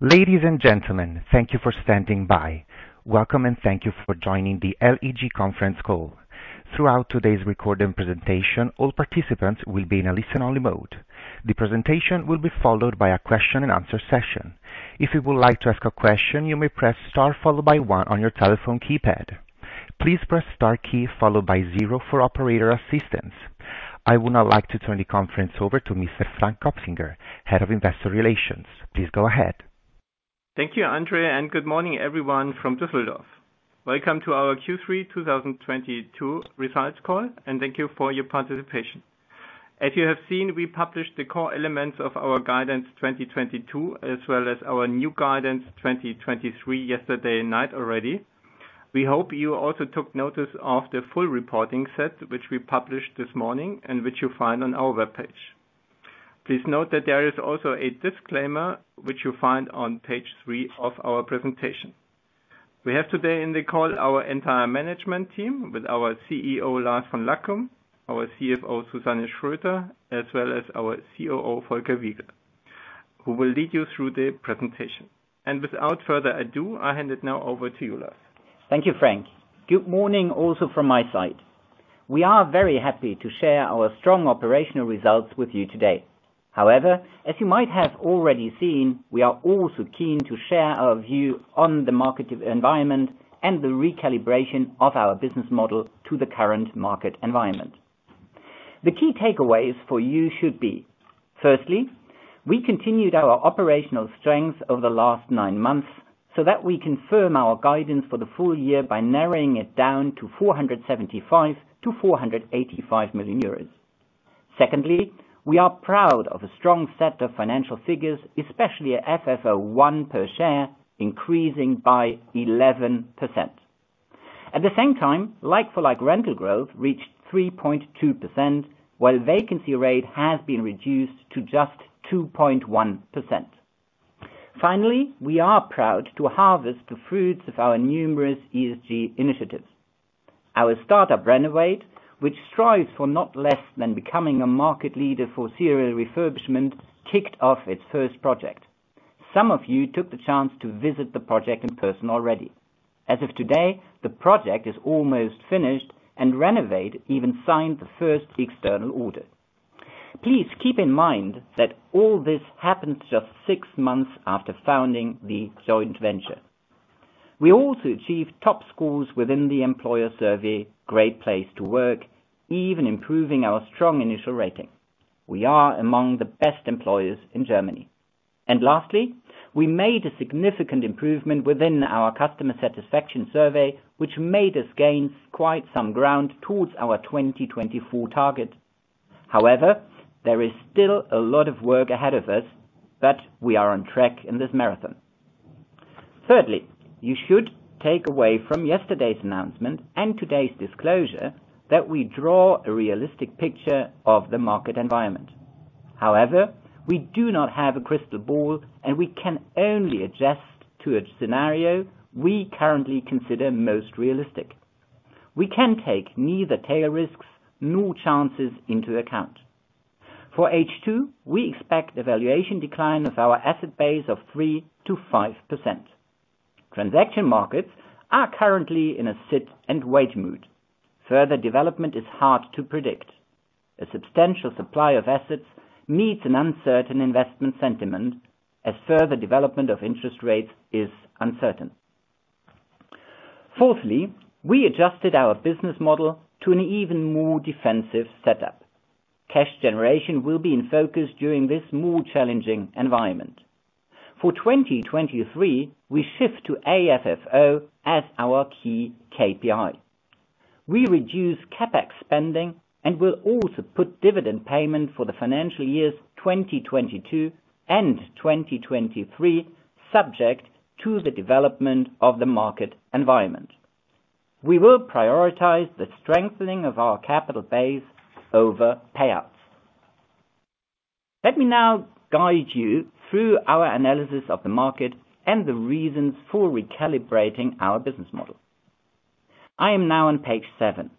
Ladies and gentlemen, thank you for standing by. Welcome, and thank you for joining the LEG conference call. Throughout today's recorded presentation, all participants will be in a listen-only mode. The presentation will be followed by a question and answer session. If you would like to ask a question, you may press star followed by one on your telephone keypad. Please press star key followed by zero for operator assistance. I would now like to turn the conference over to Mr. Frank Kopfinger, Head of Investor Relations. Please go ahead. Thank you, Andre, and good morning everyone from Düsseldorf. Welcome to our Q3 2022 results call, and thank you for your participation. As you have seen, we published the core elements of our guidance 2022 as well as our new guidance 2023 yesterday night already. We hope you also took notice of the full reporting set, which we published this morning and which you'll find on our webpage. Please note that there is also a disclaimer which you'll find on page 3 of our presentation. We have today in the call our entire management team with our CEO, Lars von Lackum, our CFO, Susanne Schroeter-Crossan, as well as our COO, Volker Wiegel, who will lead you through the presentation. Without further ado, I hand it now over to you, Lars. Thank you, Frank. Good morning also from my side. We are very happy to share our strong operational results with you today. However, as you might have already seen, we are also keen to share our view on the market environment and the recalibration of our business model to the current market environment. The key takeaways for you should be. Firstly, we continued our operational strength over the last nine months so that we confirm our guidance for the full year by narrowing it down to 475 million-485 million euros. Secondly, we are proud of a strong set of financial figures, especially at FFO I per share, increasing by 11%. At the same time, like for like rental growth reached 3.2%, while vacancy rate has been reduced to just 2.1%. Finally, we are proud to harvest the fruits of our numerous ESG initiatives. Our startup RENOWATE, which strives for not less than becoming a market leader for serial refurbishment, kicked off its first project. Some of you took the chance to visit the project in person already. As of today, the project is almost finished and RENOWATE even signed the first external order. Please keep in mind that all this happened just six months after founding the joint venture. We also achieved top scores within the employer survey, Great Place to Work, even improving our strong initial rating. We are among the best employers in Germany. Lastly, we made a significant improvement within our customer satisfaction survey, which made us gain quite some ground towards our 2024 target. However, there is still a lot of work ahead of us, but we are on track in this marathon. Thirdly, you should take away from yesterday's announcement and today's disclosure that we draw a realistic picture of the market environment. However, we do not have a crystal ball, and we can only adjust to a scenario we currently consider most realistic. We can take neither tail risks nor chances into account. For H2, we expect a valuation decline of our asset base of 3%-5%. Transaction markets are currently in a sit and wait mood. Further development is hard to predict. A substantial supply of assets meets an uncertain investment sentiment as further development of interest rates is uncertain. Fourthly, we adjusted our business model to an even more defensive setup. Cash generation will be in focus during this more challenging environment. For 2023, we shift to AFFO as our key KPI. We reduce CapEx spending and will also put dividend payment for the financial years 2022 and 2023, subject to the development of the market environment. We will prioritize the strengthening of our capital base over payouts. Let me now guide you through our analysis of the market and the reasons for recalibrating our business model. I am now on page 7.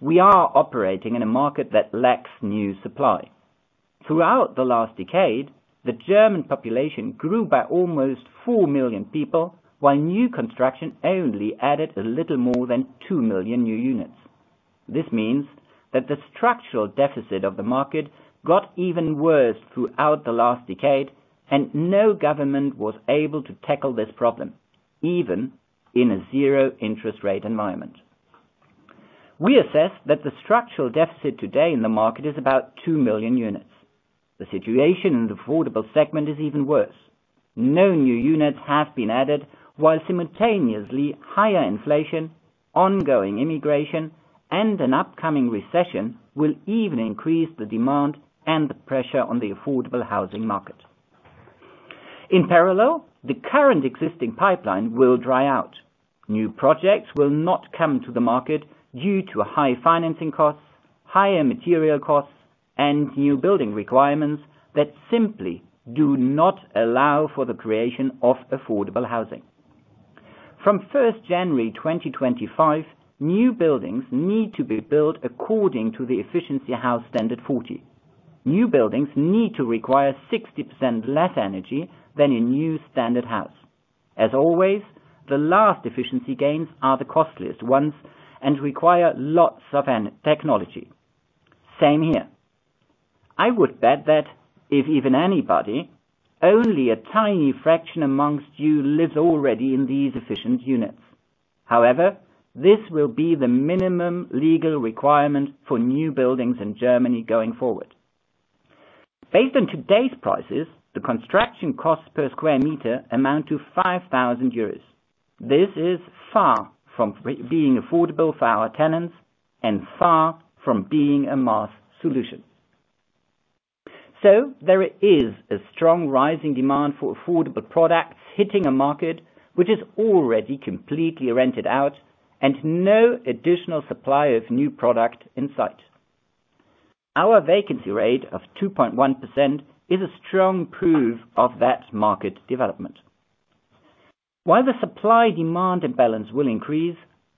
We are operating in a market that lacks new supply. Throughout the last decade, the German population grew by almost 4 million people, while new construction only added a little more than 2 million new units. This means that the structural deficit of the market got even worse throughout the last decade, and no government was able to tackle this problem, even in a zero interest rate environment. We assess that the structural deficit today in the market is about 2 million units. The situation in the affordable segment is even worse. No new units have been added, while simultaneously higher inflation, ongoing immigration, and an upcoming recession will even increase the demand and the pressure on the affordable housing market. In parallel, the current existing pipeline will dry out. New projects will not come to the market due to high financing costs, higher material costs, and new building requirements that simply do not allow for the creation of affordable housing. From first January 2025, new buildings need to be built according to the Effizienzhaus 40. New buildings need to require 60% less energy than a new standard house. As always, the last efficiency gains are the costliest ones and require lots of energy technology. Same here. I would bet that if even anybody, only a tiny fraction amongst you lives already in these efficient units. However, this will be the minimum legal requirement for new buildings in Germany going forward. Based on today's prices, the construction costs per square meter amount to 5,000 euros. This is far from being affordable for our tenants and far from being a mass solution. There is a strong rising demand for affordable products hitting a market which is already completely rented out and no additional supply of new product in sight. Our vacancy rate of 2.1% is a strong proof of that market development. While the supply-demand imbalance will increase,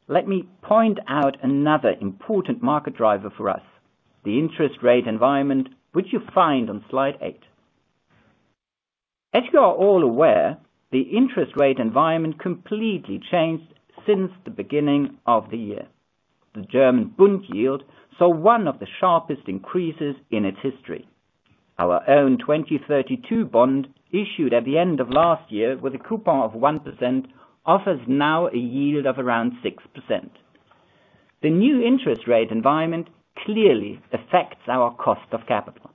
let me point out another important market driver for us, the interest rate environment which you find on slide 8. As you are all aware, the interest rate environment completely changed since the beginning of the year. The German Bund yield saw one of the sharpest increases in its history. Our own 2032 bond issued at the end of last year with a coupon of 1% offers now a yield of around 6%. The new interest rate environment clearly affects our cost of capital.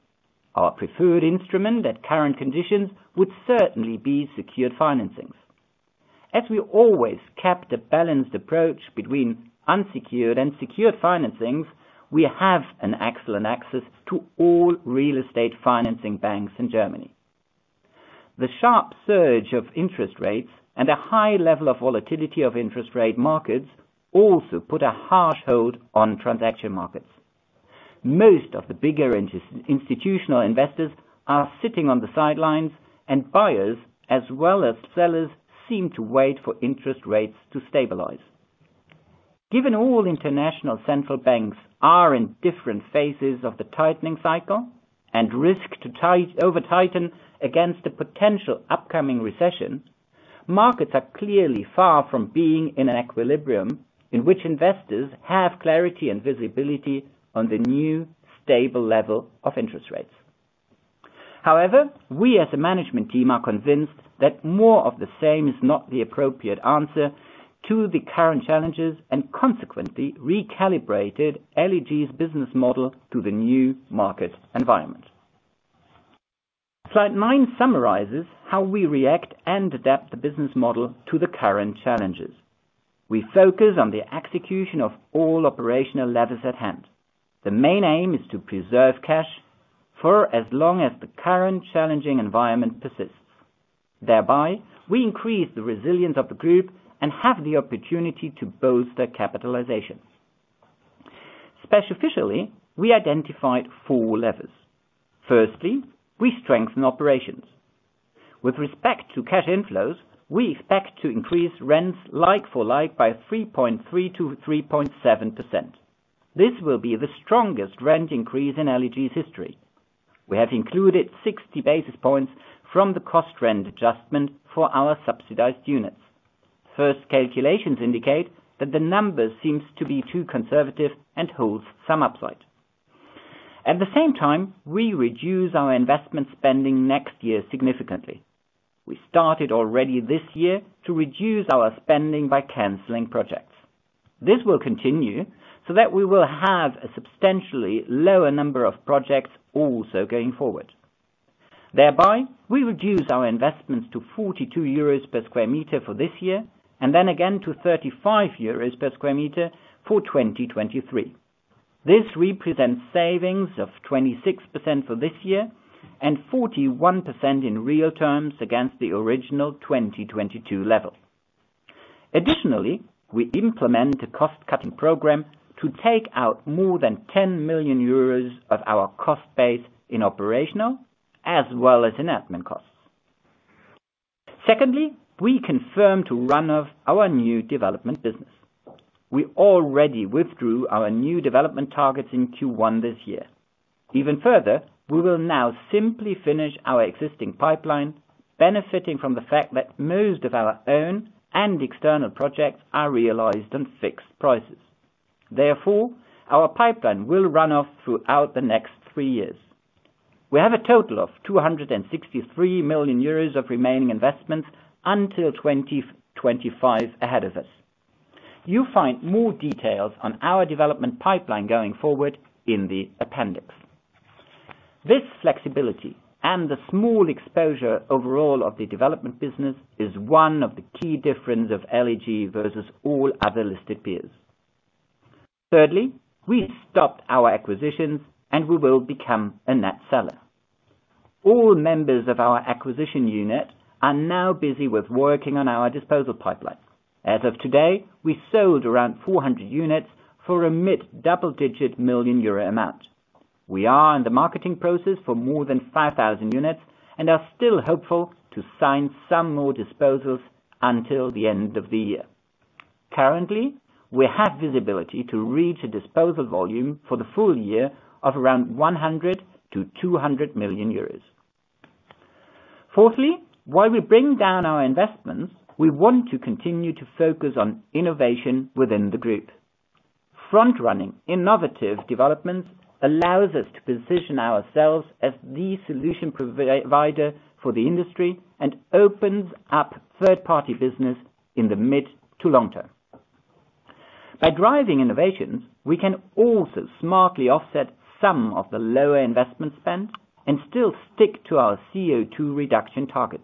Our preferred instrument at current conditions would certainly be secured financings. As we always kept a balanced approach between unsecured and secured financings, we have an excellent access to all real estate financing banks in Germany. The sharp surge of interest rates and a high level of volatility of interest rate markets also put a harsh hold on transaction markets. Most of the bigger institutional investors are sitting on the sidelines, and buyers, as well as sellers, seem to wait for interest rates to stabilize. Given all international central banks are in different phases of the tightening cycle and risk to over-tighten against a potential upcoming recession, markets are clearly far from being in an equilibrium in which investors have clarity and visibility on the new stable level of interest rates. However, we as a management team are convinced that more of the same is not the appropriate answer to the current challenges and consequently recalibrated LEG's business model to the new market environment. Slide 9 summarizes how we react and adapt the business model to the current challenges. We focus on the execution of all operational levers at hand. The main aim is to preserve cash for as long as the current challenging environment persists. Thereby, we increase the resilience of the group and have the opportunity to bolster capitalizations. Specifically, we identified four levers. Firstly, we strengthen operations. With respect to cash inflows, we expect to increase rents like for like by 3.3%-3.7%. This will be the strongest rent increase in LEG's history. We have included 60 basis points from the cost rent adjustment for our subsidized units. First calculations indicate that the numbers seems to be too conservative and holds some upside. At the same time, we reduce our investment spending next year significantly. We started already this year to reduce our spending by canceling projects. This will continue so that we will have a substantially lower number of projects also going forward. Thereby, we reduce our investments to 42 euros per square meter for this year and then again to 35 euros per square meter for 2023. This represents savings of 26% for this year and 41% in real terms against the original 2022 level. Additionally, we implement a cost-cutting program to take out more than 10 million euros of our cost base in operational as well as in admin costs. Secondly, we confirm to run off our new development business. We already withdrew our new development targets in Q1 this year. Even further, we will now simply finish our existing pipeline, benefiting from the fact that most of our own and external projects are realized on fixed prices. Therefore, our pipeline will run off throughout the next three years. We have a total of 263 million euros of remaining investments until 2025 ahead of us. You find more details on our development pipeline going forward in the appendix. This flexibility and the small exposure overall of the development business is one of the key difference of LEG versus all other listed peers. Thirdly, we stopped our acquisitions and we will become a net seller. All members of our acquisition unit are now busy with working on our disposal pipeline. As of today, we sold around 400 units for a mid double-digit million euro amount. We are in the marketing process for more than 5,000 units and are still hopeful to sign some more disposals until the end of the year. Currently, we have visibility to reach a disposal volume for the full year of around 100 million-200 million euros. Fourthly, while we bring down our investments, we want to continue to focus on innovation within the group. Front-running innovative developments allows us to position ourselves as the solution provider for the industry and opens up third-party business in the mid to long term. By driving innovations, we can also smartly offset some of the lower investment spend and still stick to our CO2 reduction targets.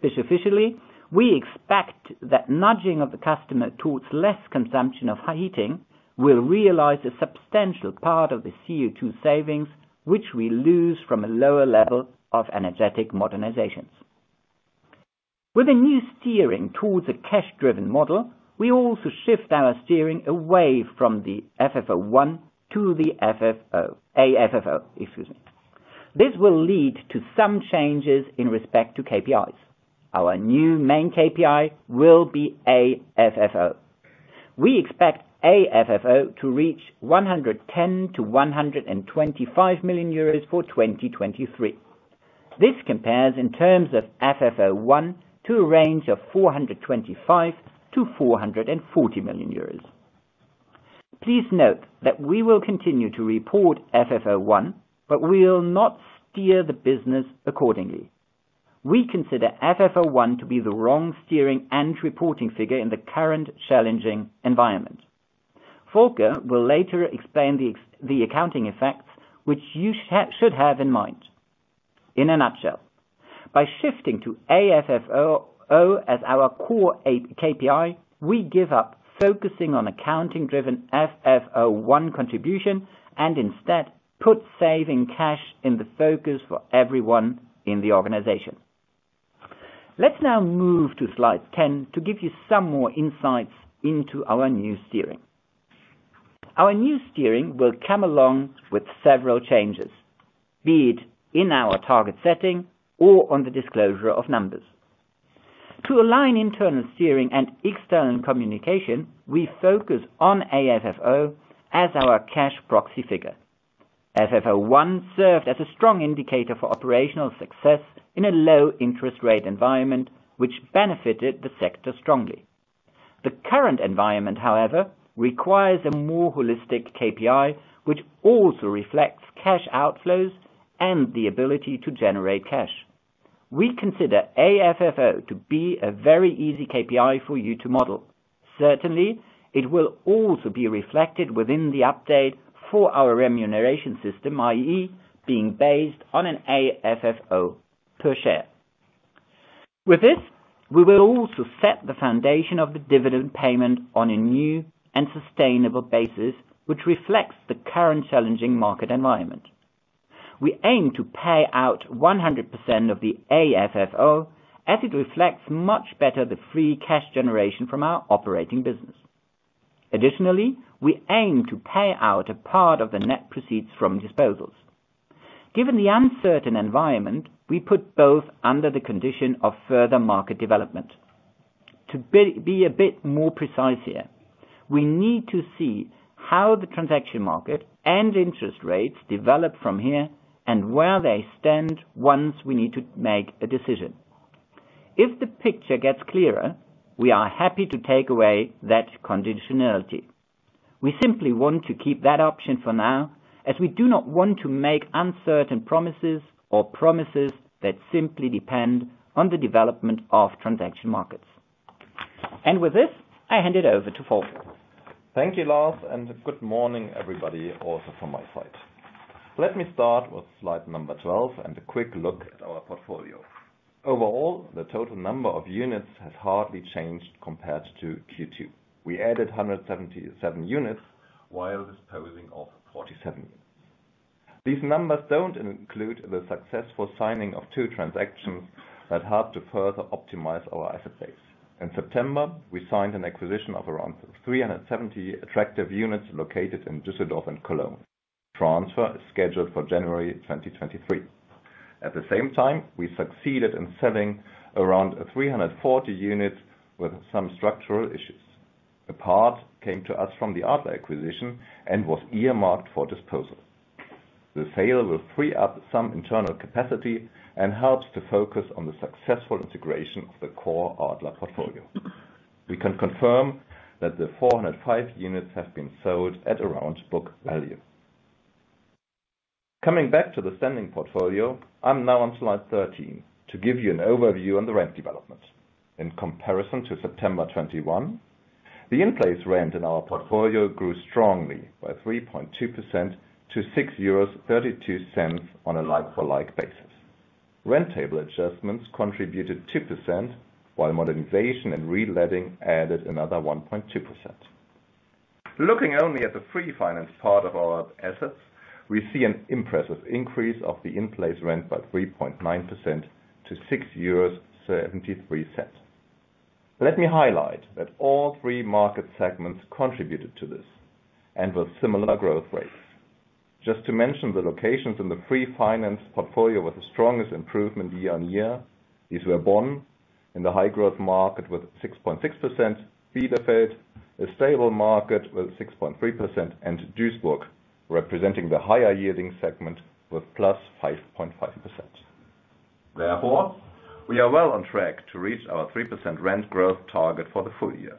Specifically, we expect that nudging of the customer towards less consumption of high heating will realize a substantial part of the CO2 savings, which we lose from a lower level of energetic modernizations. With a new steering towards a cash-driven model, we also shift our steering away from the FFO I to the AFFO, excuse me. This will lead to some changes in respect to KPIs. Our new main KPI will be AFFO. We expect AFFO to reach 110 million-125 million euros for 2023. This compares in terms of FFO I to a range of 425 million-440 million euros. Please note that we will continue to report FFO I, but we will not steer the business accordingly. We consider FFO I to be the wrong steering and reporting figure in the current challenging environment. Volker will later explain the accounting effects which you should have in mind. In a nutshell, by shifting to AFFO as our core KPI, we give up focusing on accounting-driven FFO I contribution and instead put saving cash in the focus for everyone in the organization. Let's now move to slide 10 to give you some more insights into our new steering. Our new steering will come along with several changes, be it in our target setting or on the disclosure of numbers. To align internal steering and external communication, we focus on AFFO as our cash proxy figure. FFO I served as a strong indicator for operational success in a low interest rate environment, which benefited the sector strongly. The current environment, however, requires a more holistic KPI, which also reflects cash outflows and the ability to generate cash. We consider AFFO to be a very easy KPI for you to model. Certainly, it will also be reflected within the update for our remuneration system, i.e. being based on an AFFO per share. With this, we will also set the foundation of the dividend payment on a new and sustainable basis, which reflects the current challenging market environment. We aim to pay out 100% of the AFFO as it reflects much better the free cash generation from our operating business. Additionally, we aim to pay out a part of the net proceeds from disposals. Given the uncertain environment, we put both under the condition of further market development. To be a bit more precise here, we need to see how the transaction market and interest rates develop from here and where they stand once we need to make a decision. If the picture gets clearer, we are happy to take away that conditionality. We simply want to keep that option for now, as we do not want to make uncertain promises or promises that simply depend on the development of transaction markets. With this, I hand it over to Volker. Thank you, Lars, and good morning, everybody, also from my side. Let me start with slide 12 and a quick look at our portfolio. Overall, the total number of units has hardly changed compared to Q2. We added 177 units while disposing of 47 units. These numbers don't include the successful signing of two transactions that help to further optimize our asset base. In September, we signed an acquisition of around 370 attractive units located in Düsseldorf and Cologne. Transfer is scheduled for January 2023. At the same time, we succeeded in selling around 340 units with some structural issues. A part came to us from the Adler acquisition and was earmarked for disposal. The sale will free up some internal capacity and helps to focus on the successful integration of the core Adler portfolio. We can confirm that the 405 units have been sold at around book value. Coming back to the standing portfolio, I'm now on slide 13 to give you an overview on the rent development. In comparison to September 2021, the in-place rent in our portfolio grew strongly by 3.2% to 6.32 euros on a like-for-like basis. Rent table adjustments contributed 2%, while modernization and reletting added another 1.2%. Looking only at the free finance part of our assets, we see an impressive increase of the in-place rent by 3.9% to 6.73 euros. Let me highlight that all three market segments contributed to this and with similar growth rates. Just to mention the locations in the free finance portfolio with the strongest improvement year-on-year. These were Bonn in the high growth market with 6.6%, Bielefeld, a stable market with 6.3%, and Duisburg, representing the higher yielding segment with +5.5%. Therefore, we are well on track to reach our 3% rent growth target for the full year.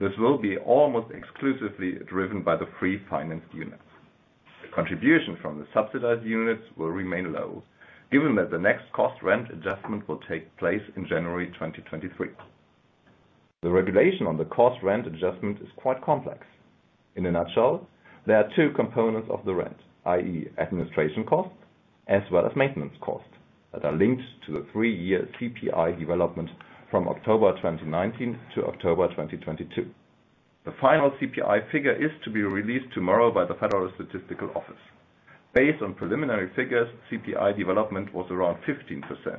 This will be almost exclusively driven by the free financed units. Contribution from the subsidized units will remain low, given that the next cost rent adjustment will take place in January 2023. The regulation on the cost rent adjustment is quite complex. In a nutshell, there are two components of the rent, i.e. administration costs as well as maintenance costs that are linked to the three-year CPI development from October 2019 to October 2022. The final CPI figure is to be released tomorrow by the Federal Statistical Office. Based on preliminary figures, CPI development was around 15%.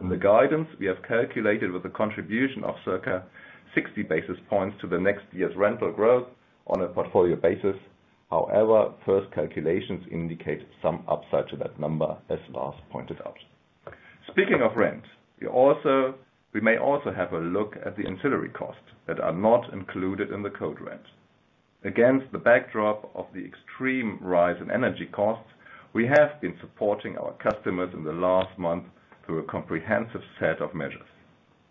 In the guidance, we have calculated with a contribution of circa 60 basis points to the next year's rental growth on a portfolio basis. However, first calculations indicate some upside to that number, as Lars pointed out. Speaking of rent, we may also have a look at the ancillary costs that are not included in the cold rent. Against the backdrop of the extreme rise in energy costs, we have been supporting our customers in the last month through a comprehensive set of measures.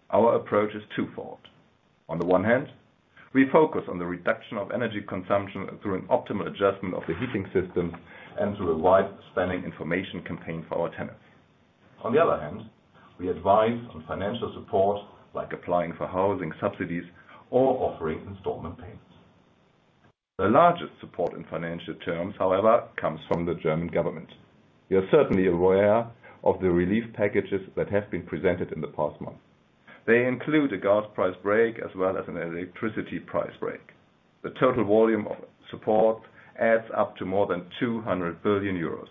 Our approach is twofold. On the one hand, we focus on the reduction of energy consumption through an optimal adjustment of the heating systems and through a widespread information campaign for our tenants. On the other hand, we advise on financial support, like applying for housing subsidies or offering installment payments. The largest support in financial terms, however, comes from the German government. You're certainly aware of the relief packages that have been presented in the past month. They include a Gas Price Brake as well as an Electricity Price Brake. The total volume of support adds up to more than 200 billion euros.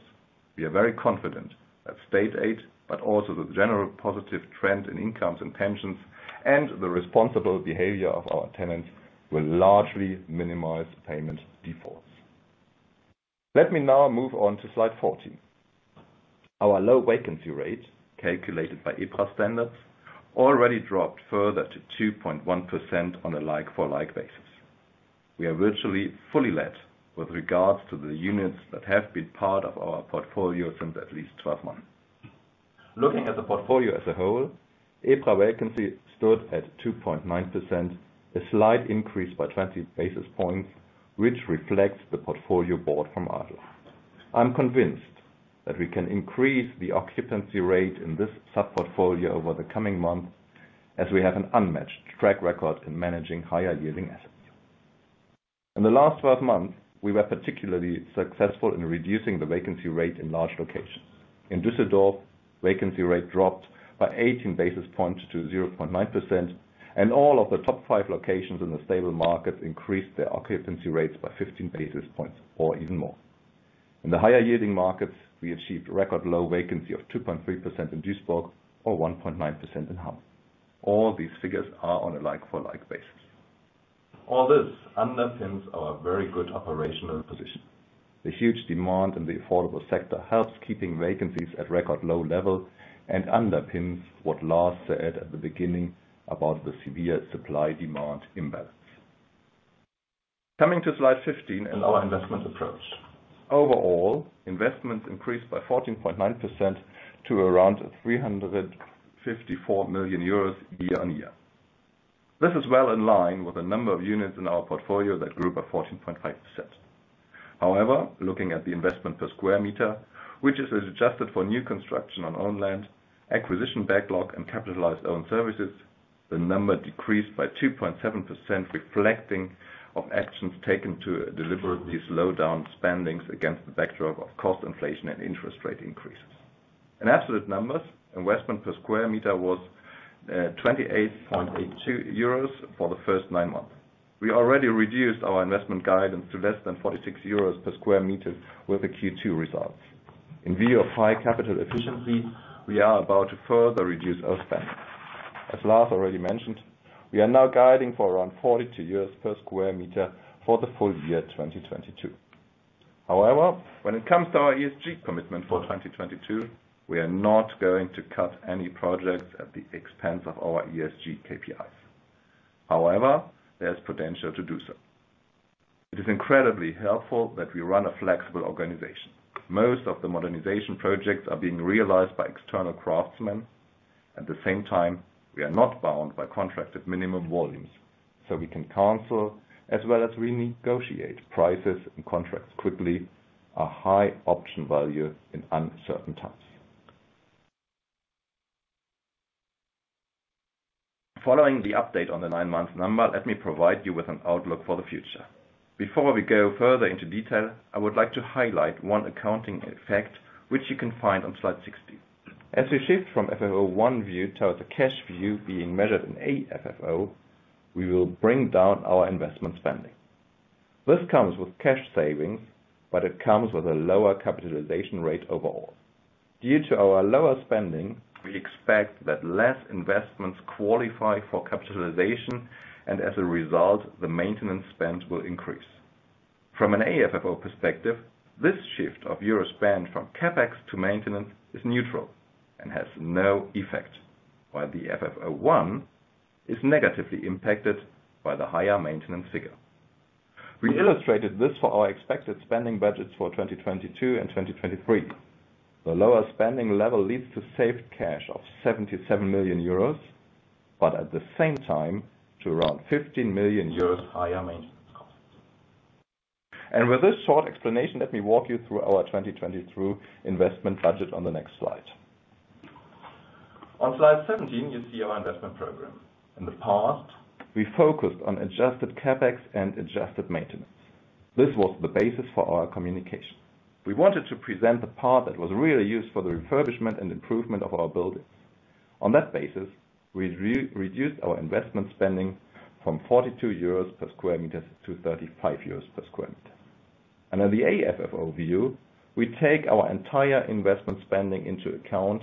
We are very confident that state aid, but also the general positive trend in incomes and pensions and the responsible behavior of our tenants will largely minimize payment defaults. Let me now move on to slide 14. Our low vacancy rate, calculated by EPRA standards, already dropped further to 2.1% on a like-for-like basis. We are virtually fully let with regards to the units that have been part of our portfolio since at least 12 months. Looking at the portfolio as a whole, EPRA vacancy stood at 2.9%, a slight increase by 20 basis points, which reflects the portfolio bought from Adler. I'm convinced that we can increase the occupancy rate in this sub-portfolio over the coming months as we have an unmatched track record in managing higher yielding assets. In the last 12 months, we were particularly successful in reducing the vacancy rate in large locations. In Düsseldorf, vacancy rate dropped by 18 basis points to 0.9%, and all of the top five locations in the stable market increased their occupancy rates by 15 basis points or even more. In the higher yielding markets, we achieved record low vacancy of 2.3% in Duisburg or 1.9% in Hamm. All these figures are on a like-for-like basis. All this underpins our very good operational position. The huge demand in the affordable sector helps keeping vacancies at record low levels and underpins what Lars said at the beginning about the severe supply-demand imbalance. Coming to slide 15 and our investment approach. Overall, investments increased by 14.9% to around 354 million euros year-on-year. This is well in line with the number of units in our portfolio that grew by 14.5%. However, looking at the investment per square meter, which is adjusted for new construction on owned land, acquisition backlog, and capitalized own services, the number decreased by 2.7%, reflecting of actions taken to deliberately slow down spendings against the backdrop of cost inflation and interest rate increases. In absolute numbers, investment per square meter was 28.82 euros for the first nine months. We already reduced our investment guidance to less than 46 euros per square meter with the Q2 results. In view of high capital efficiency, we are about to further reduce our spending. As Lars already mentioned, we are now guiding for around 42 euros per square meter for the full year 2022. However, when it comes to our ESG commitment for 2022, we are not going to cut any projects at the expense of our ESG KPIs. However, there's potential to do so. It is incredibly helpful that we run a flexible organization. Most of the modernization projects are being realized by external craftsmen. At the same time, we are not bound by contracted minimum volumes, so we can cancel as well as renegotiate prices and contracts quickly, a high option value in uncertain times. Following the update on the nine-month number, let me provide you with an outlook for the future. Before we go further into detail, I would like to highlight one accounting effect which you can find on slide 16. As we shift from FFO I view towards the cash view being measured in AFFO, we will bring down our investment spending. This comes with cash savings, but it comes with a lower capitalization rate overall. Due to our lower spending, we expect that less investments qualify for capitalization, and as a result, the maintenance spend will increase. From an AFFO perspective, this shift of euro spend from CapEx to maintenance is neutral and has no effect, while the FFO I is negatively impacted by the higher maintenance figure. We illustrated this for our expected spending budgets for 2022 and 2023. The lower spending level leads to saved cash of 77 million euros, but at the same time, to around 15 million euros higher maintenance costs. With this short explanation, let me walk you through our 2022 investment budget on the next slide. On slide 17, you see our investment program. In the past, we focused on adjusted CapEx and adjusted maintenance. This was the basis for our communication. We wanted to present the part that was really used for the refurbishment and improvement of our buildings. On that basis, we re-reduced our investment spending from 42 euros per square meter to 35 euros per square meter On the AFFO view, we take our entire investment spending into account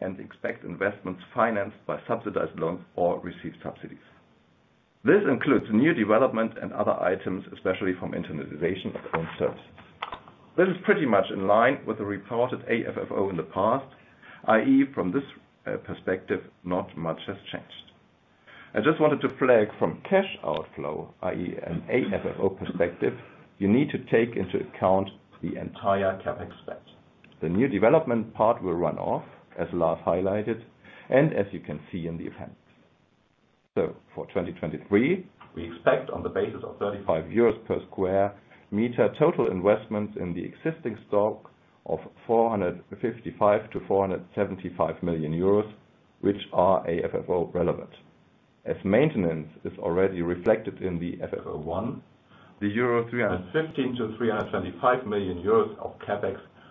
and expect investments financed by subsidized loans or received subsidies. This includes new development and other items, especially from internalization of own services. This is pretty much in line with the reported AFFO in the past, i.e., from this perspective, not much has changed. I just wanted to flag from cash outflow, i.e., an AFFO perspective, you need to take into account the entire CapEx spend. The new development part will run off, as Lars highlighted, and as you can see in the events. For 2023, we expect on the basis of 35 euros per square meter, total investments in the existing stock of 455 million-475 million euros, which are AFFO relevant. As maintenance is already reflected in the FFO I, the 315 million-325 million euros of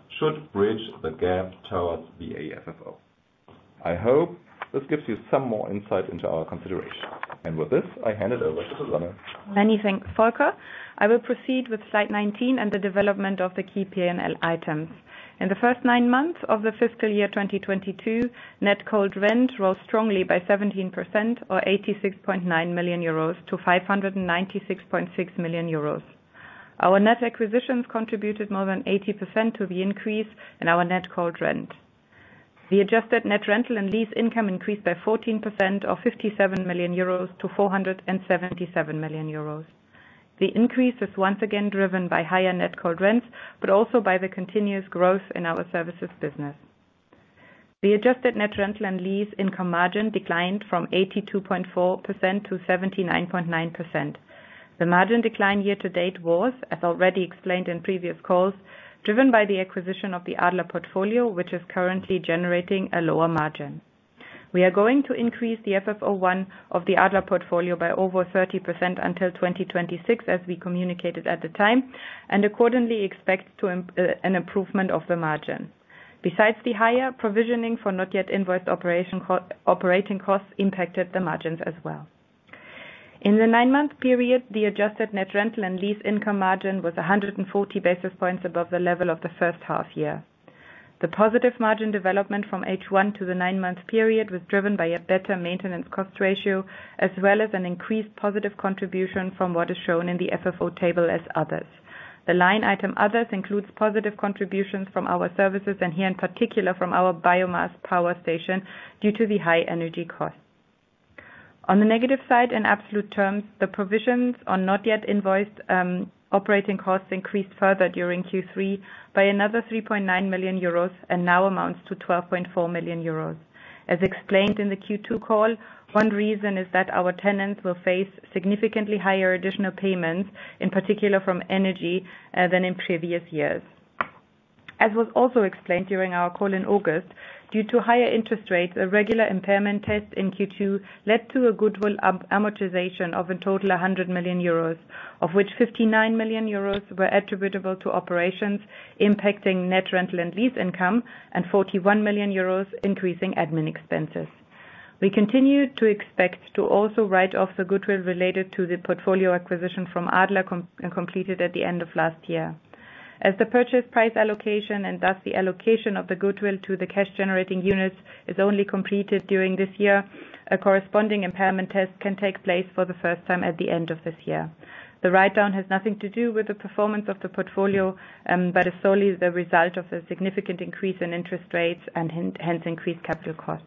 CapEx should bridge the gap towards the AFFO. I hope this gives you some more insight into our consideration. With this, I hand it over to Susanne. Many thanks, Volker. I will proceed with slide 19 and the development of the key P&L items. In the first nine months of the fiscal year 2022, net cold rent rose strongly by 17% or 86.9 million euros to 596.6 million euros. Our net acquisitions contributed more than 80% to the increase in our net cold rent. The adjusted net rental and lease income increased by 14% or 57 million euros to 477 million euros. The increase is once again driven by higher net cold rents, but also by the continuous growth in our services business. The adjusted net rental and lease income margin declined from 82.4% to 79.9%. The margin decline year to date was, as already explained in previous calls, driven by the acquisition of the Adler portfolio, which is currently generating a lower margin. We are going to increase the FFO I of the Adler portfolio by over 30% until 2026, as we communicated at the time, and accordingly expect an improvement of the margin. Besides, the higher provisioning for not yet invoiced operating costs impacted the margins as well. In the nine-month period, the adjusted net rental and lease income margin was 140 basis points above the level of the first half year. The positive margin development from H1 to the nine-month period was driven by a better maintenance cost ratio, as well as an increased positive contribution from what is shown in the FFO table as others. The line item others includes positive contributions from our services, and here, in particular from our biomass power station due to the high energy costs. On the negative side, in absolute terms, the provisions on not yet invoiced operating costs increased further during Q3 by another 3.9 million euros and now amounts to 12.4 million euros. As explained in the Q2 call, one reason is that our tenants will face significantly higher additional payments, in particular from energy, than in previous years. As was also explained during our call in August, due to higher interest rates, a regular impairment test in Q2 led to a goodwill amortization of a total of 100 million euros, of which 59 million euros were attributable to operations impacting net rental and lease income, and 41 million euros increasing admin expenses. We continue to expect to also write off the goodwill related to the portfolio acquisition from Adler completed at the end of last year. As the purchase price allocation, and thus the allocation of the goodwill to the cash generating units is only completed during this year, a corresponding impairment test can take place for the first time at the end of this year. The write-down has nothing to do with the performance of the portfolio, but is solely the result of a significant increase in interest rates and hence increased capital costs.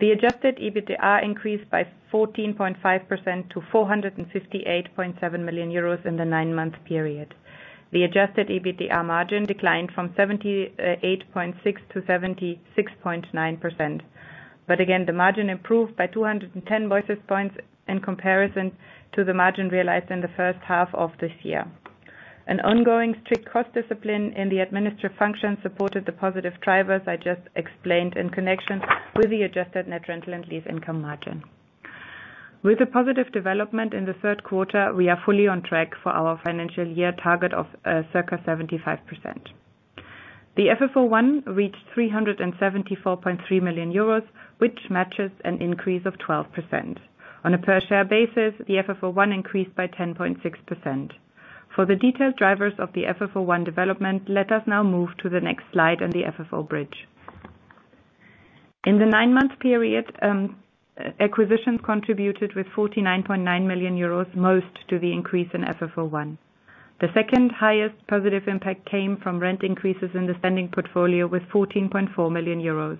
The adjusted EBITDA increased by 14.5% to 458.7 million euros in the nine-month period. The adjusted EBITDA margin declined from 78.6% to 76.9%. Again, the margin improved by 210 basis points in comparison to the margin realized in the first half of this year. An ongoing strict cost discipline in the administrative function supported the positive drivers I just explained in connection with the adjusted net rental and lease income margin. With the positive development in the third quarter, we are fully on track for our financial year target of circa 75%. The FFO I reached 374.3 million euros, which matches an increase of 12%. On a per share basis, the FFO I increased by 10.6%. For the detailed drivers of the FFO I development, let us now move to the next slide on the FFO bridge. In the nine-month period, acquisitions contributed with 49.9 million euros most to the increase in FFO I. The second highest positive impact came from rent increases in the spending portfolio with 14.4 million euros.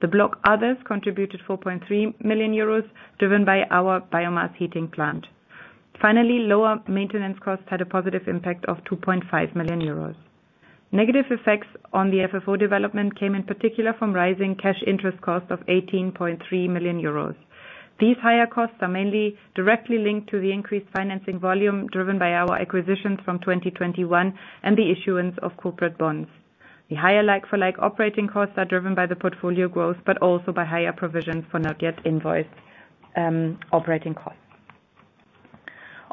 The block others contributed 4.3 million euros, driven by our biomass heating plant. Finally, lower maintenance costs had a positive impact of 2.5 million euros. Negative effects on the FFO development came in particular from rising cash interest costs of 18.3 million euros. These higher costs are mainly directly linked to the increased financing volume driven by our acquisitions from 2021 and the issuance of corporate bonds. The higher like-for-like operating costs are driven by the portfolio growth, but also by higher provisions for not yet invoiced operating costs.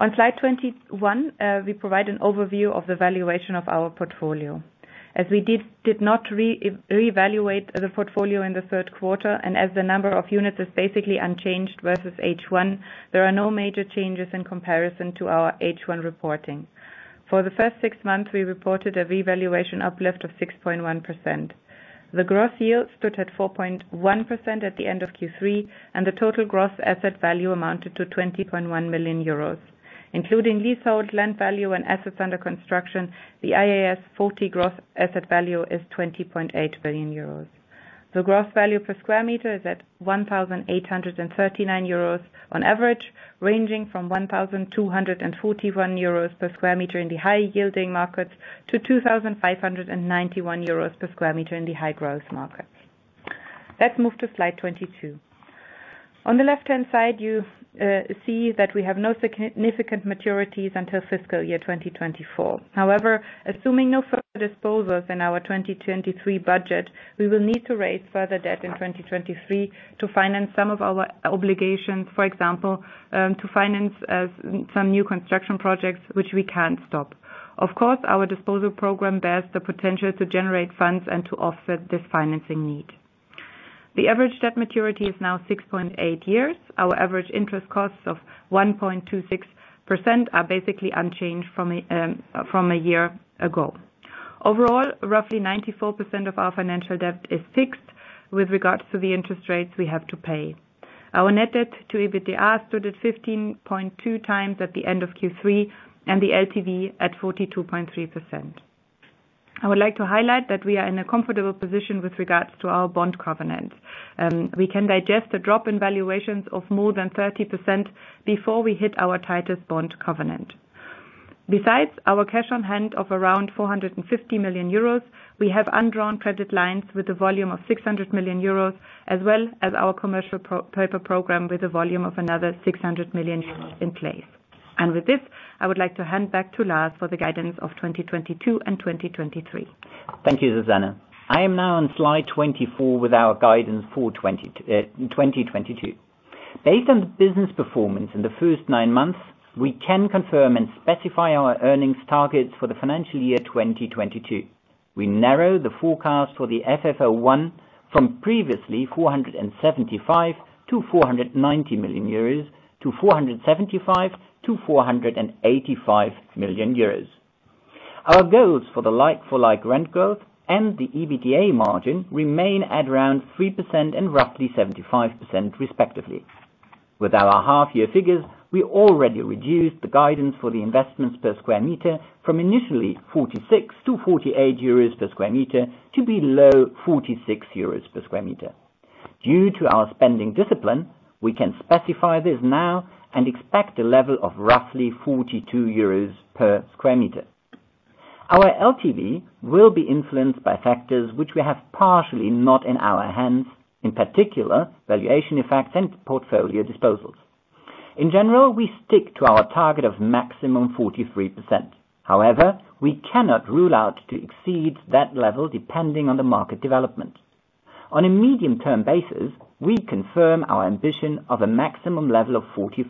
On slide 21, we provide an overview of the valuation of our portfolio. As we did not revalue the portfolio in the third quarter, and as the number of units is basically unchanged versus H1, there are no major changes in comparison to our H1 reporting. For the first six months, we reported a revaluation uplift of 6.1%. The gross yield stood at 4.1% at the end of Q3, and the total gross asset value amounted to 20.1 million euros. Including leasehold, land value, and assets under construction, the IAS 40 gross asset value is 20.8 billion euros. The gross value per square meter is at 1,839 euros on average, ranging from 1,241 euros per square meter in the high-yield markets to 2,591 euros per square meter in the high-growth markets. Let's move to slide 22. On the left-hand side, you see that we have no significant maturities until fiscal year 2024. However, assuming no further disposals in our 2023 budget, we will need to raise further debt in 2023 to finance some of our obligations, for example, to finance some new construction projects which we can't stop. Of course, our disposal program bears the potential to generate funds and to offset this financing need. The average debt maturity is now 6.8 years. Our average interest costs of 1.26% are basically unchanged from a year ago. Overall, roughly 94% of our financial debt is fixed with regards to the interest rates we have to pay. Our net debt to EBITDA stood at 15.2x at the end of Q3, and the LTV at 42.3%. I would like to highlight that we are in a comfortable position with regards to our bond covenant. We can digest a drop in valuations of more than 30% before we hit our tightest bond covenant. Besides our cash on hand of around 450 million euros, we have undrawn credit lines with a volume of 600 million euros, as well as our commercial paper program with a volume of another 600 million euros in place. With this, I would like to hand back to Lars for the guidance of 2022 and 2023. Thank you, Susanne. I am now on slide 24 with our guidance for 2022. Based on the business performance in the first nine months, we can confirm and specify our earnings targets for the financial year 2022. We narrow the forecast for the FFO I from previously 475 million-490 million euros to 475 million-485 million euros. Our goals for the like-for-like rent growth and the EBITDA margin remain at around 3% and roughly 75% respectively. With our half year figures, we already reduced the guidance for the investments per square meter from initially 46-48 euros per square meter to below 46 euros per square meter. Due to our spending discipline, we can specify this now and expect a level of roughly 42 euros per square meter. Our LTV will be influenced by factors which we have partially not in our hands, in particular valuation effects and portfolio disposals. In general, we stick to our target of maximum 43%. However, we cannot rule out to exceed that level depending on the market development. On a medium-term basis, we confirm our ambition of a maximum level of 43%.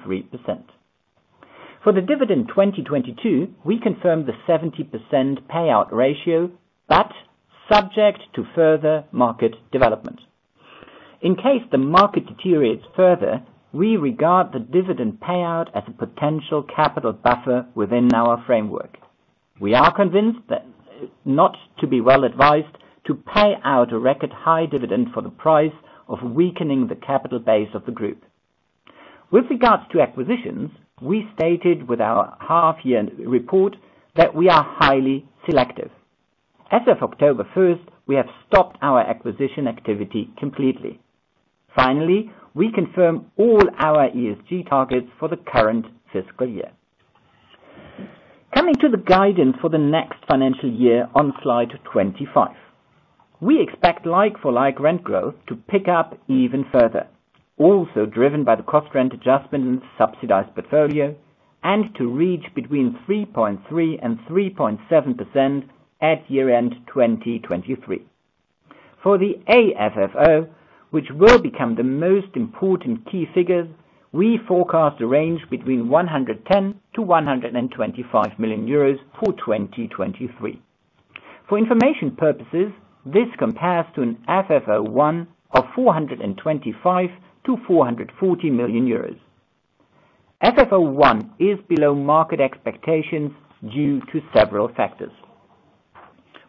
For the dividend in 2022, we confirm the 70% payout ratio, but subject to further market development. In case the market deteriorates further, we regard the dividend payout as a potential capital buffer within our framework. We are convinced that not to be well advised to pay out a record high dividend for the price of weakening the capital base of the group. With regards to acquisitions, we stated with our half year report that we are highly selective. As of October 1, we have stopped our acquisition activity completely. Finally, we confirm all our ESG targets for the current fiscal year. Coming to the guidance for the next financial year on slide 25. We expect like-for-like rent growth to pick up even further, also driven by the cost rent adjustment and subsidized portfolio, and to reach between 3.3% and 3.7% at year-end 2023. For the AFFO, which will become the most important key figure, we forecast a range between 110 million-125 million euros for 2023. For information purposes, this compares to an FFO I of 425 million-440 million euros. FFO I is below market expectations due to several factors.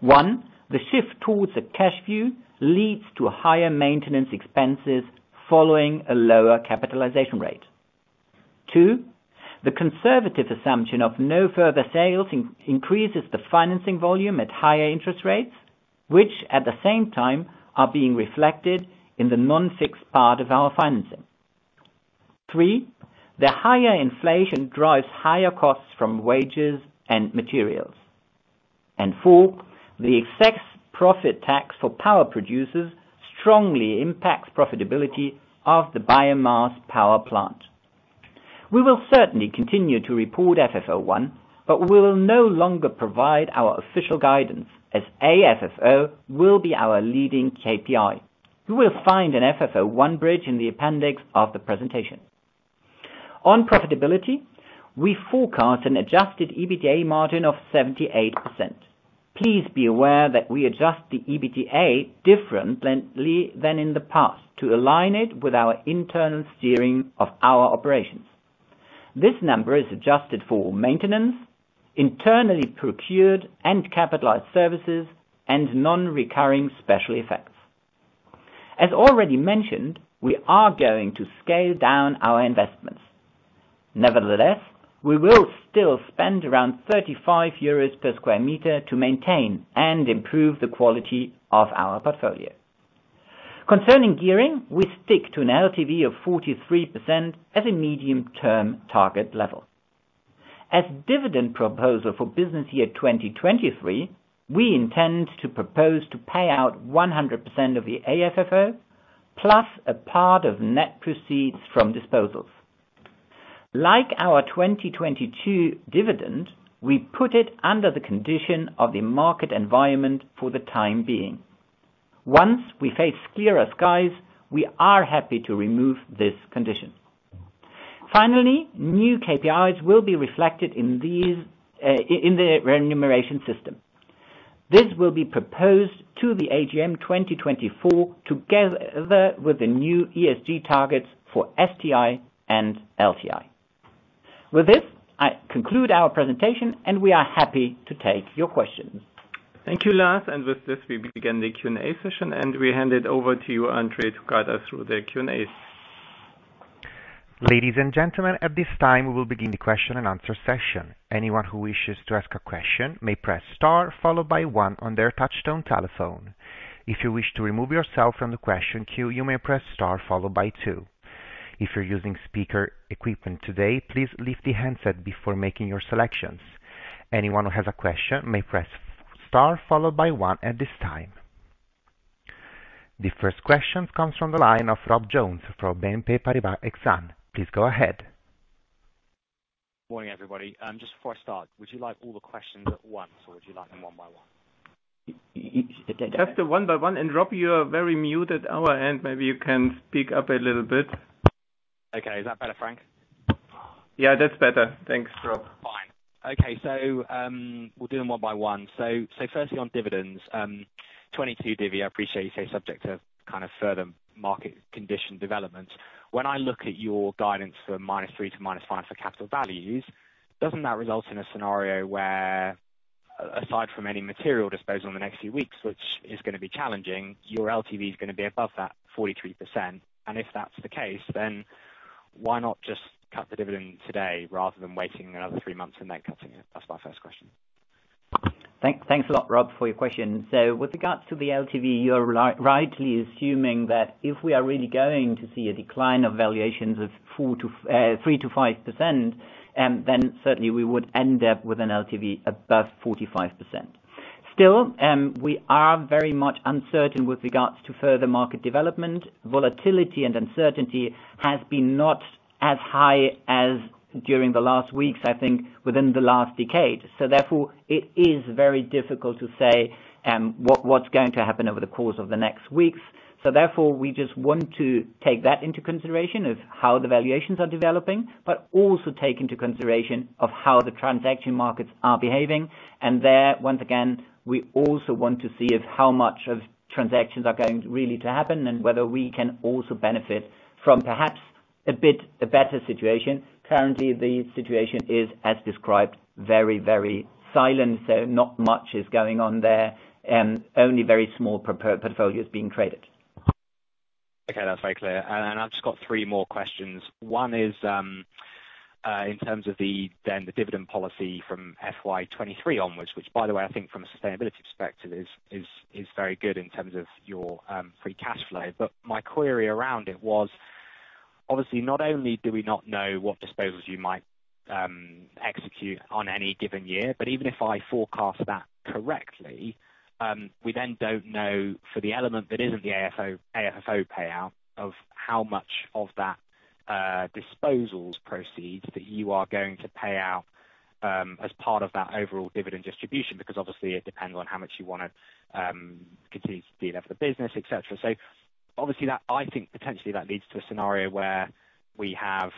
One, the shift towards a cash view leads to higher maintenance expenses following a lower capitalization rate. Two, the conservative assumption of no further sales increases the financing volume at higher interest rates, which at the same time are being reflected in the non-fixed part of our financing. Three, the higher inflation drives higher costs from wages and materials. Four, the excess profit tax for power producers strongly impacts profitability of the biomass power plant. We will certainly continue to report FFO I, but we will no longer provide our official guidance as AFFO will be our leading KPI. You will find an FFO I bridge in the appendix of the presentation. On profitability, we forecast an adjusted EBITDA margin of 78%. Please be aware that we adjust the EBITDA differently than in the past to align it with our internal steering of our operations. This number is adjusted for maintenance, internally procured and capitalized services, and non-recurring special effects. As already mentioned, we are going to scale down our investments. Nevertheless, we will still spend around 35 euros per square meter to maintain and improve the quality of our portfolio. Concerning gearing, we stick to an LTV of 43% as a medium-term target level. As dividend proposal for business year 2023, we intend to propose to pay out 100% of the AFFO plus a part of net proceeds from disposals. Like our 2022 dividend, we put it under the condition of the market environment for the time being. Once we face clearer skies, we are happy to remove this condition. Finally, new KPIs will be reflected in these, in the remuneration system. This will be proposed to the AGM 2024, together with the new ESG targets for STI and LTI. With this, I conclude our presentation, and we are happy to take your questions. Thank you, Lars. With this, we begin the Q&A session, and we hand it over to you, Andre, to guide us through the Q&A. Ladies and gentlemen, at this time, we will begin the question and answer session. Anyone who wishes to ask a question may press star followed by one on their touchtone telephone. If you wish to remove yourself from the question queue, you may press star followed by two. If you're using speaker equipment today, please lift the handset before making your selections. Anyone who has a question may press star followed by one at this time. The first question comes from the line of Rob Jones from BNP Paribas Exane. Please go ahead. Morning, everybody. Just before I start, would you like all the questions at once or would you like them one by one? Just one by one. Rob, you are very muted on our end. Maybe you can speak up a little bit. Okay. Is that better, Frank? Yeah, that's better. Thanks, Rob. Fine. Okay. We'll do them one by one. Firstly on dividends, 2022 divvy, I appreciate you say subject to kind of further market condition developments. When I look at your guidance for -3% to -5% for capital values, doesn't that result in a scenario where aside from any material disposal in the next few weeks, which is gonna be challenging, your LTV is gonna be above that 43%? If that's the case, then why not just cut the dividend today rather than waiting another three months and then cutting it? That's my first question. Thanks a lot, Rob, for your question. With regards to the LTV, you're rightly assuming that if we are really going to see a decline of valuations of 3%-5%, then certainly we would end up with an LTV above 45%. Still, we are very much uncertain with regards to further market development. Volatility and uncertainty has been not as high as during the last weeks, I think, within the last decade. It is very difficult to say what's going to happen over the course of the next weeks. We just want to take that into consideration of how the valuations are developing, but also take into consideration of how the transaction markets are behaving. There, once again, we also want to see how much of transactions are going really to happen and whether we can also benefit from perhaps a bit better situation. Currently, the situation is as described, very, very silent, so not much is going on there, and only very small portfolios being traded. Okay. That's very clear. I've just got three more questions. One is, in terms of the, then the dividend policy from FY 2023 onwards, which by the way, I think from a sustainability perspective is very good in terms of your free cash flow. My query around it was obviously not only do we not know what disposals you might execute on any given year, but even if I forecast that correctly, we then don't know for the element that is in the AFFO payout of how much of that disposal proceeds that you are going to pay out as part of that overall dividend distribution, because obviously it depends on how much you wanna continue to be there for the business, et cetera. Obviously that I think potentially that leads to a scenario where we have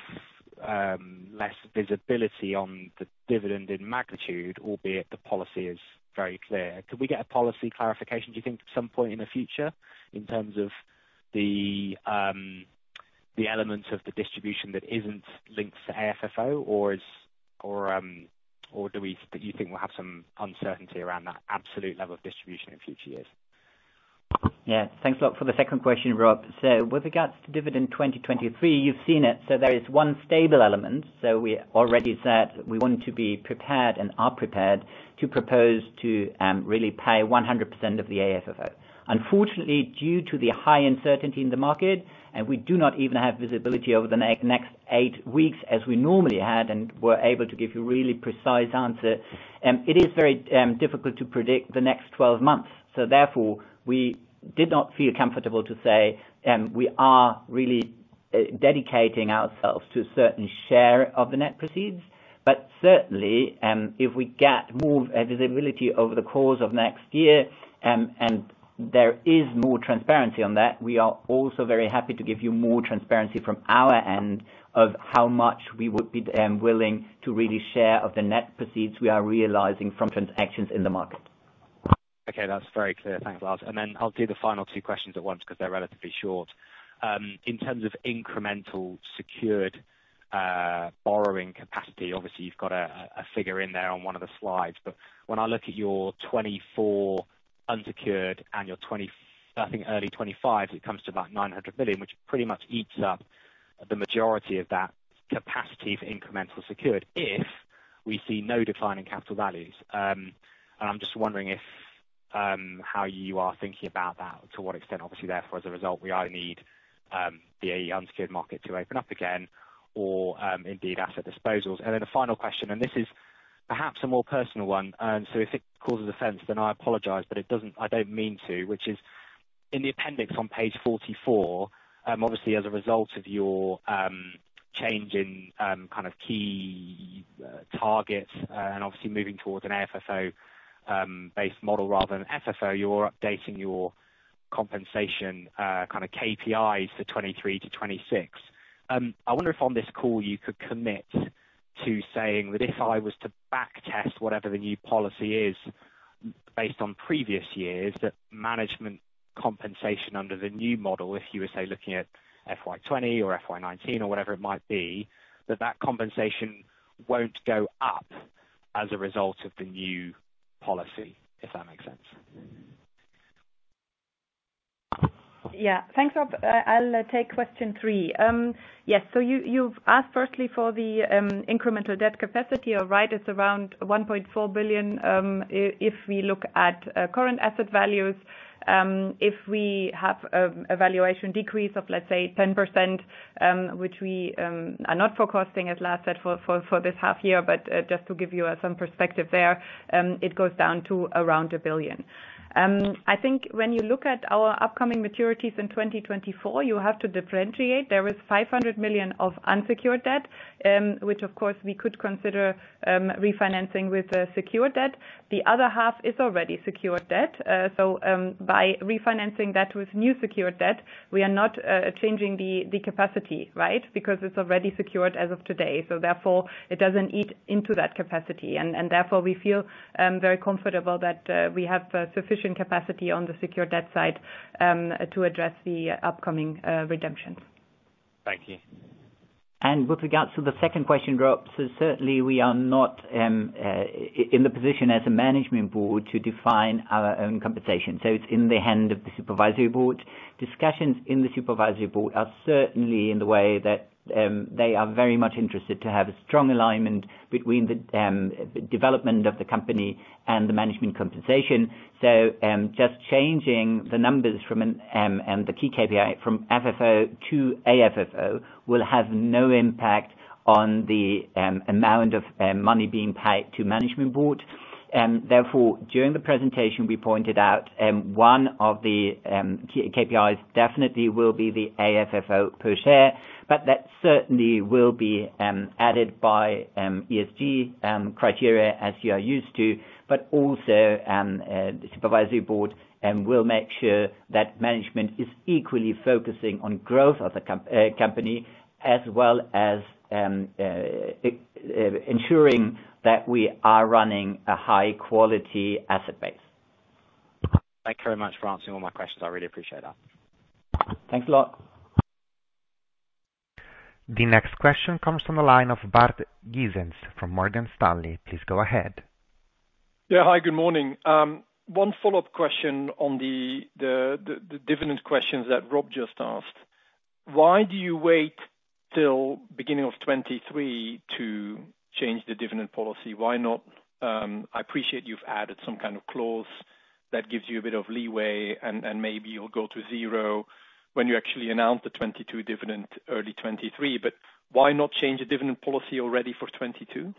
less visibility on the dividend in magnitude, albeit the policy is very clear. Could we get a policy clarification, do you think at some point in the future in terms of the elements of the distribution that isn't linked to AFFO or do you think we'll have some uncertainty around that absolute level of distribution in future years? Yeah. Thanks a lot for the second question, Rob. With regards to dividend 2023, you've seen it, so there is one stable element. We already said we want to be prepared and are prepared to propose to really pay 100% of the AFFO. Unfortunately, due to the high uncertainty in the market, and we do not even have visibility over the next eight weeks as we normally had and were able to give you really precise answer, it is very difficult to predict the next 12 months. Therefore, we did not feel comfortable to say, we are really dedicating ourselves to a certain share of the net proceeds. Certainly, if we get more visibility over the course of next year, and there is more transparency on that, we are also very happy to give you more transparency from our end of how much we would be willing to really share of the net proceeds we are realizing from transactions in the market. Okay, that's very clear. Thanks a lot. I'll do the final two questions at once 'cause they're relatively short. In terms of incremental secured borrowing capacity, obviously you've got a figure in there on one of the slides. When I look at your 2024 unsecured and your 2025, I think early 2025, it comes to about 900 million, which pretty much eats up the majority of that capacity for incremental secured if we see no decline in capital values. I'm just wondering if how you are thinking about that to what extent. Obviously, therefore, as a result, we either need the IG unsecured market to open up again or indeed asset disposals. A final question, and this is perhaps a more personal one. If it causes offense, then I apologize, but it doesn't, I don't mean to, which is in the appendix on page 44, obviously as a result of your change in kind of key targets, and obviously moving towards an AFFO based model rather than an FFO, you're updating your compensation kind of KPIs to 2023-2026. I wonder if on this call you could commit to saying that if I was to back test whatever the new policy is based on previous years, that management compensation under the new model, if you were, say, looking at FY 2020 or FY 2019 or whatever it might be, that compensation won't go up as a result of the new policy, if that makes sense. Yeah. Thanks, Rob. I'll take question three. Yes. So you've asked firstly for the incremental debt capacity. You're right, it's around 1.4 billion, if we look at current asset values. If we have a valuation decrease of let's say 10%, which we are not forecasting as Lars said for this half year. Just to give you some perspective there, it goes down to around 1 billion. I think when you look at our upcoming maturities in 2024, you have to differentiate. There is 500 million of unsecured debt, which of course we could consider refinancing with secured debt. The other half is already secured debt. By refinancing that with new secured debt, we are not changing the capacity, right? Because it's already secured as of today. Therefore, it doesn't eat into that capacity. Therefore, we feel very comfortable that we have sufficient capacity on the secured debt side to address the upcoming redemptions. Thank you. With regards to the second question, Rob, certainly we are not in the position as a management board to define our own compensation. It's in the hands of the supervisory board. Discussions in the supervisory board are certainly in the way that they are very much interested to have a strong alignment between the development of the company and the management compensation. Just changing the numbers from the key KPI from FFO to AFFO will have no impact on the amount of money being paid to management board. Therefore, during the presentation, we pointed out one of the KPIs definitely will be the AFFO per share, but that certainly will be added by ESG criteria as you are used to. The supervisory board will make sure that management is equally focusing on growth of the company as well as ensuring that we are running a high quality asset base. Thank you very much for answering all my questions. I really appreciate that. Thanks a lot. The next question comes from the line of Bart Gysens from Morgan Stanley. Please go ahead. Yeah. Hi, good morning. One follow-up question on the dividend questions that Rob just asked. Why do you wait till beginning of 2023 to change the dividend policy? Why not... I appreciate you've added some kind of clause that gives you a bit of leeway and maybe you'll go to zero when you actually announce the 2022 dividend early 2023. Why not change the dividend policy already for 2022?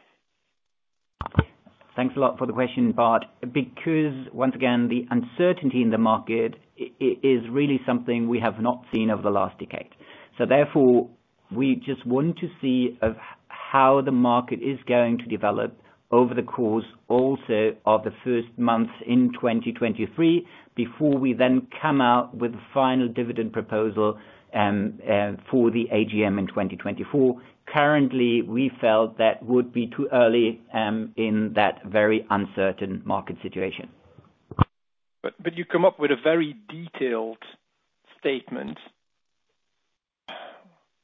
Thanks a lot for the question, Bart. Because once again, the uncertainty in the market is really something we have not seen over the last decade. Therefore, we just want to see how the market is going to develop over the course of the first months also in 2023, before we then come out with the final dividend proposal for the AGM in 2024. Currently, we felt that would be too early in that very uncertain market situation. You come up with a very detailed statement.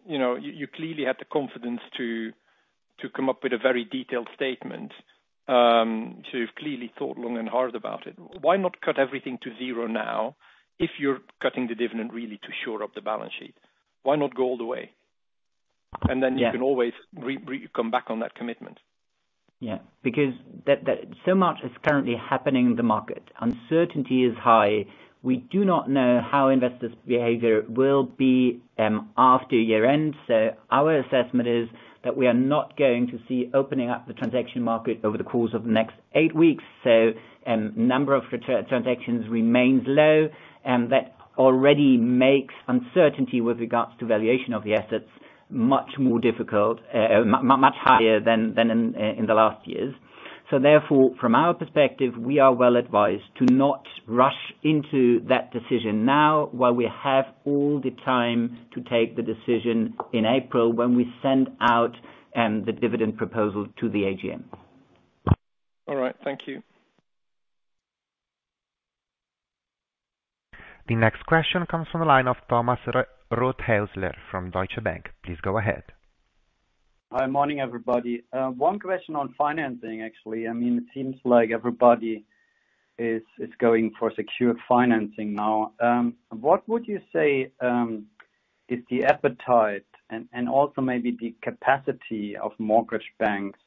You know, you clearly had the confidence to come up with a very detailed statement. You've clearly thought long and hard about it. Why not cut everything to zero now if you're cutting the dividend really to shore up the balance sheet? Why not go all the way? Yeah. You can always come back on that commitment. Yeah. Because that, so much is currently happening in the market. Uncertainty is high. We do not know how investors' behavior will be after year-end. Our assessment is that we are not going to see opening up the transaction market over the course of the next eight weeks. Number of return transactions remains low, that already makes uncertainty with regards to valuation of the assets much more difficult, much higher than in the last years. Therefore, from our perspective, we are well advised to not rush into that decision now while we have all the time to take the decision in April when we send out the dividend proposal to the AGM. All right, thank you. The next question comes from the line of Thomas Rothäusler from Deutsche Bank. Please go ahead. Hi. Morning, everybody. One question on financing, actually. I mean, it seems like everybody is going for secured financing now. What would you say is the appetite and also maybe the capacity of mortgage banks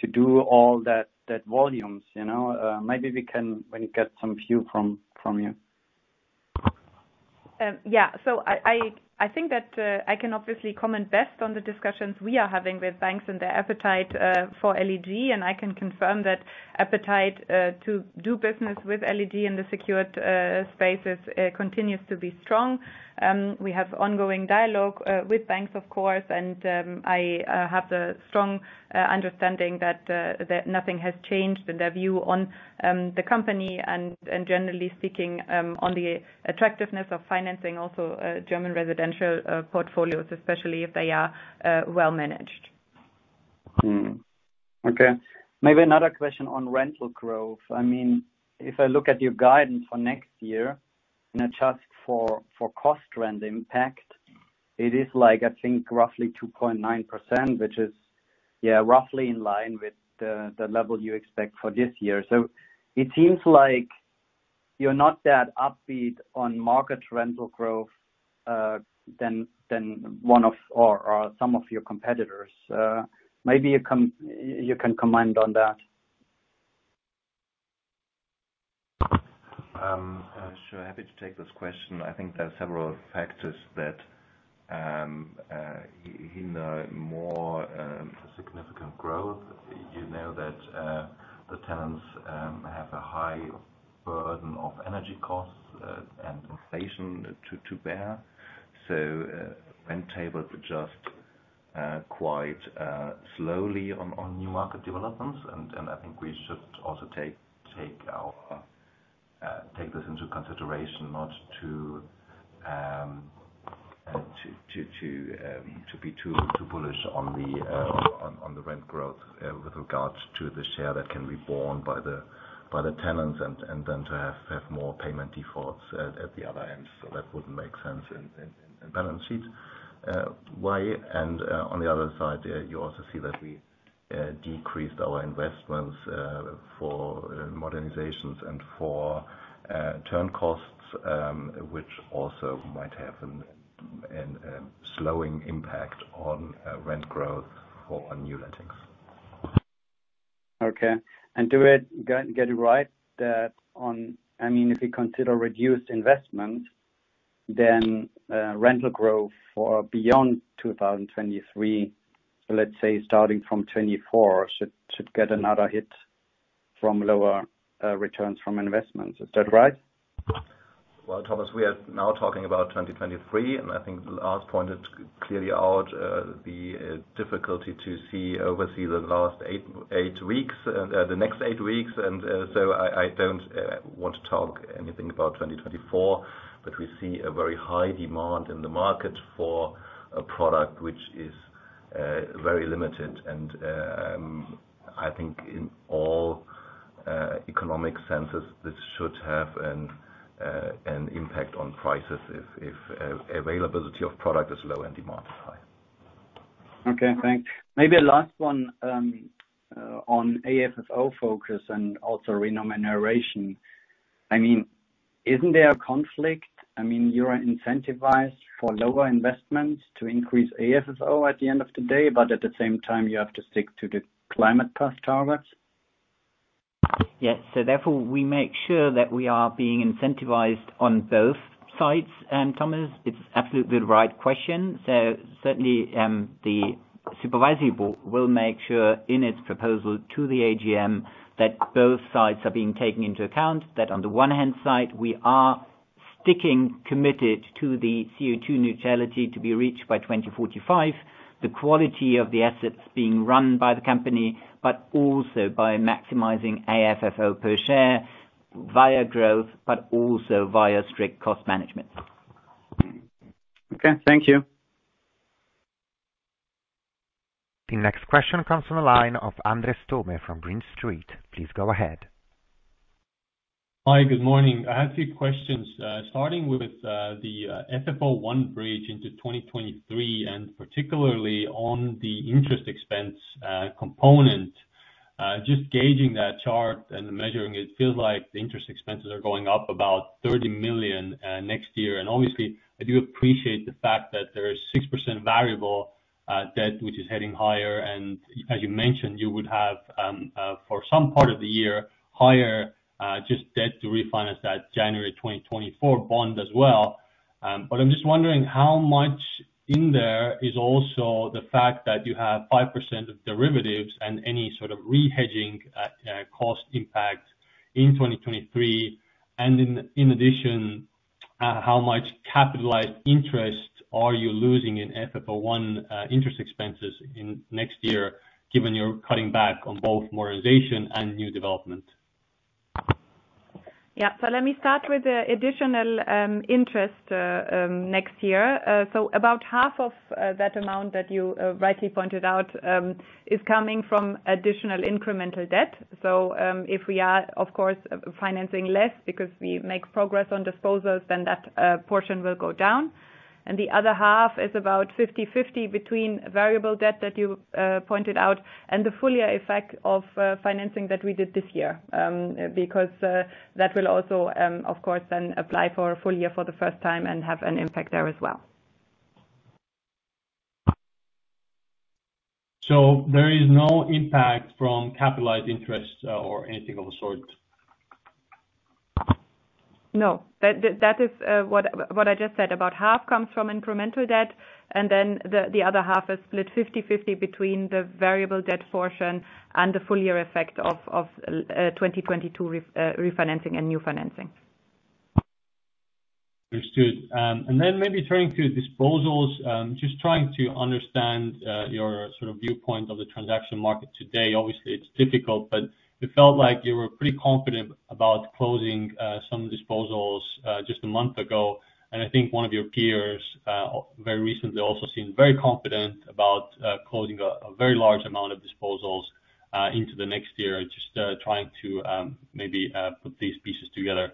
to do all that volumes, you know? Maybe we can get some view from you. I think that I can obviously comment best on the discussions we are having with banks and their appetite for LEG. I can confirm that appetite to do business with LEG in the secured space continues to be strong. We have ongoing dialogue with banks, of course. I have the strong understanding that nothing has changed in their view on the company and generally speaking on the attractiveness of financing also German residential portfolios, especially if they are well managed. Okay. Maybe another question on rental growth. I mean, if I look at your guidance for next year and adjust for cost trend impact, it is like, I think, roughly 2.9%, which is, yeah, roughly in line with the level you expect for this year. It seems like you're not that upbeat on market rental growth than one or some of your competitors. Maybe you can comment on that. Sure. Happy to take this question. I think there are several factors that hinder more significant growth. You know that the tenants have a high burden of energy costs and inflation to bear. Rent tables adjust quite slowly to new market developments. I think we should also take this into consideration not to be too bullish on the rent growth with regards to the share that can be borne by the tenants and then to have more payment defaults at the other end. That wouldn't make sense in balance sheet way. On the other side, you also see that we decreased our investments for modernizations and for turn costs, which also might have a slowing impact on rent growth for our new lettings. Okay. Do I get it right that, I mean, if we consider reduced investment, then rental growth for beyond 2023, let's say starting from 2024 should get another hit from lower returns from investments. Is that right? Well, Thomas, we are now talking about 2023, and I think Lars pointed clearly out the difficulty to oversee the last eight weeks, the next eight weeks. I don't want to talk anything about 2024, but we see a very high demand in the market for a product which is very limited. I think in all economic senses, this should have an impact on prices if availability of product is low and demand is high. Okay, thanks. Maybe a last one, on AFFO focus and also remuneration. I mean, isn't there a conflict? I mean, you are incentivized for lower investments to increase AFFO at the end of the day, but at the same time, you have to stick to the climate path targets. Yes. Therefore, we make sure that we are being incentivized on both sides. Thomas, it's absolutely the right question. Certainly, the supervisory board will make sure in its proposal to the AGM that both sides are being taken into account. That, on the one hand side, we are staying committed to the CO₂ neutrality to be reached by 2045. The quality of the assets being run by the company, but also by maximizing AFFO per share via growth, but also via strict cost management. Okay, thank you. The next question comes from the line of Andres Toome from Green Street. Please go ahead. Hi, good morning. I have two questions. Starting with the FFO I bridge into 2023, and particularly on the interest expense component. Just gauging that chart and measuring it, feels like the interest expenses are going up about 30 million next year. Obviously, I do appreciate the fact that there is 6% variable debt which is heading higher. As you mentioned, you would have for some part of the year higher just debt to refinance that January 2024 bond as well. I'm just wondering how much in there is also the fact that you have 5% of derivatives and any sort of re-hedging cost impact in 2023. In addition, how much capitalized interest are you losing in FFO I, interest expenses in next year, given you're cutting back on both modernization and new development? Let me start with the additional interest next year. About half of that amount that you rightly pointed out is coming from additional incremental debt. If we are, of course, financing less because we make progress on disposals, then that portion will go down. The other half is about fifty-fifty between variable debt that you pointed out and the full year effect of financing that we did this year. Because that will also, of course, then apply for a full year for the first time and have an impact there as well. There is no impact from capitalized interest or anything of the sort? No. That is what I just said. About half comes from incremental debt, and then the other half is split 50/50 between the variable debt portion and the full year effect of 2022 refinancing and new financing. Understood. Maybe turning to disposals, just trying to understand your sort of viewpoint of the transaction market today. Obviously, it's difficult, but it felt like you were pretty confident about closing some disposals just a month ago. I think one of your peers very recently also seemed very confident about closing a very large amount of disposals into the next year. Just trying to maybe put these pieces together.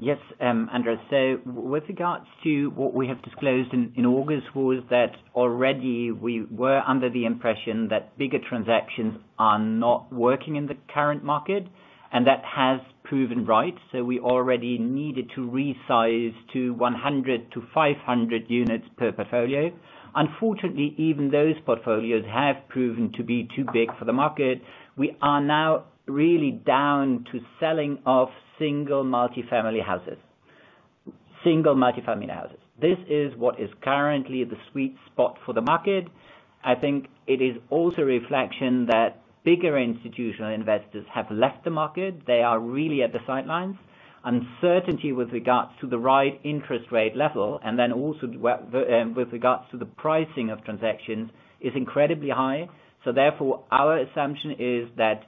Yes, Andres. With regards to what we have disclosed in August was that already we were under the impression that bigger transactions are not working in the current market, and that has proven right. We already needed to resize to 100-500 units per portfolio. Unfortunately, even those portfolios have proven to be too big for the market. We are now really down to selling off single multifamily houses. This is what is currently the sweet spot for the market. I think it is also a reflection that bigger institutional investors have left the market. They are really at the sidelines. Uncertainty with regards to the right interest rate level, and then also with regards to the pricing of transactions is incredibly high. Our assumption is that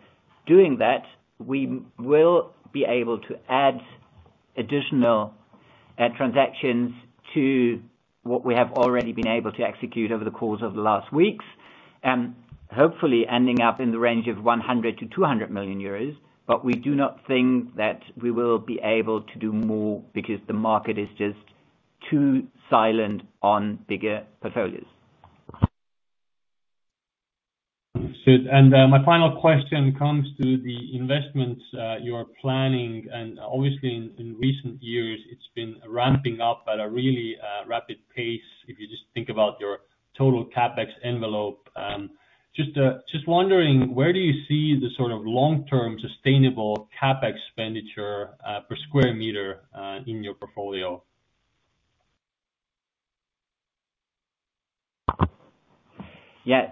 doing that, we will be able to add additional, transactions to what we have already been able to execute over the course of the last weeks. Hopefully ending up in the range of 100 million-200 million euros. We do not think that we will be able to do more because the market is just too silent on bigger portfolios. Understood. My final question comes to the investments you are planning. Obviously in recent years, it's been ramping up at a really rapid pace. If you just think about your total CapEx envelope. Just wondering, where do you see the sort of long-term sustainable CapEx expenditure per square meter in your portfolio? Yeah.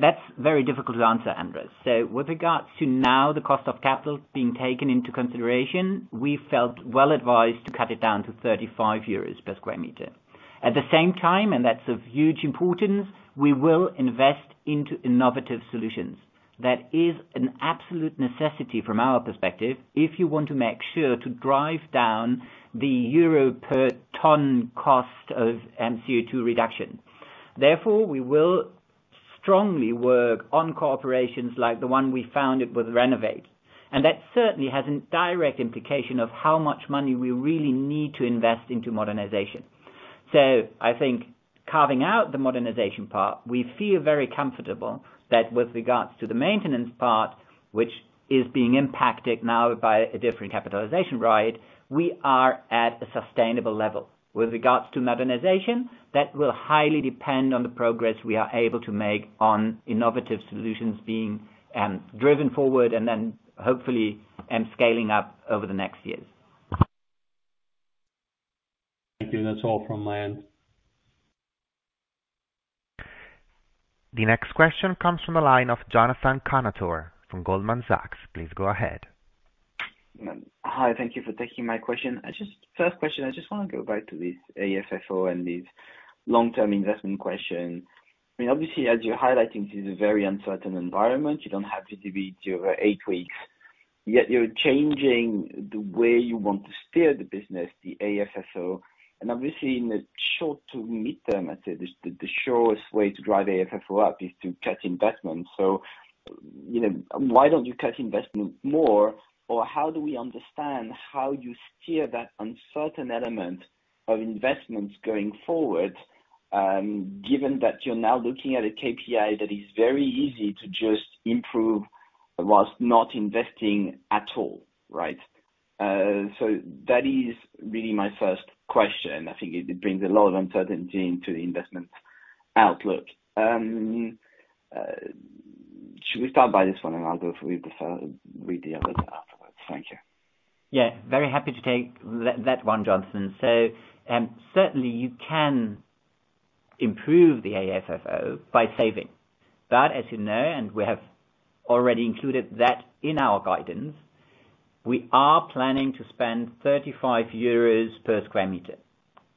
That's very difficult to answer, Andres. With regards to now the cost of capital being taken into consideration, we felt well advised to cut it down to 35 euros per square meter. At the same time, that's of huge importance, we will invest into innovative solutions. That is an absolute necessity from our perspective, if you want to make sure to drive down the EUR-per-ton cost of CO2 reduction. Therefore, we will strongly work on cooperations like the one we founded with RENOWATE. That certainly has a direct implication of how much money we really need to invest into modernization. I think carving out the modernization part, we feel very comfortable that with regards to the maintenance part, which is being impacted now by a different capitalization rate, we are at a sustainable level. With regards to modernization, that will highly depend on the progress we are able to make on innovative solutions being driven forward and then hopefully scaling up over the next years. Thank you. That's all from my end. The next question comes from the line of Jonathan Kownator from Goldman Sachs. Please go ahead. Hi, thank you for taking my question. First question, I just wanna go back to this AFFO and this long-term investment question. I mean, obviously, as you're highlighting, this is a very uncertain environment. You don't have visibility over eight weeks, yet you're changing the way you want to steer the business, the AFFO. Obviously, in the short to mid term, I'd say, the shortest way to drive AFFO up is to cut investments. You know, why don't you cut investment more? Or how do we understand how you steer that uncertain element of investments going forward, given that you're now looking at a KPI that is very easy to just improve whilst not investing at all, right? That is really my first question. I think it brings a lot of uncertainty into the investment outlook. Should we start by this one, and I'll go with the others afterwards. Thank you. Yeah, very happy to take that one, Jonathan. Certainly you can improve the AFFO by saving. But as you know, and we have already included that in our guidance, we are planning to spend 35 euros per square meter.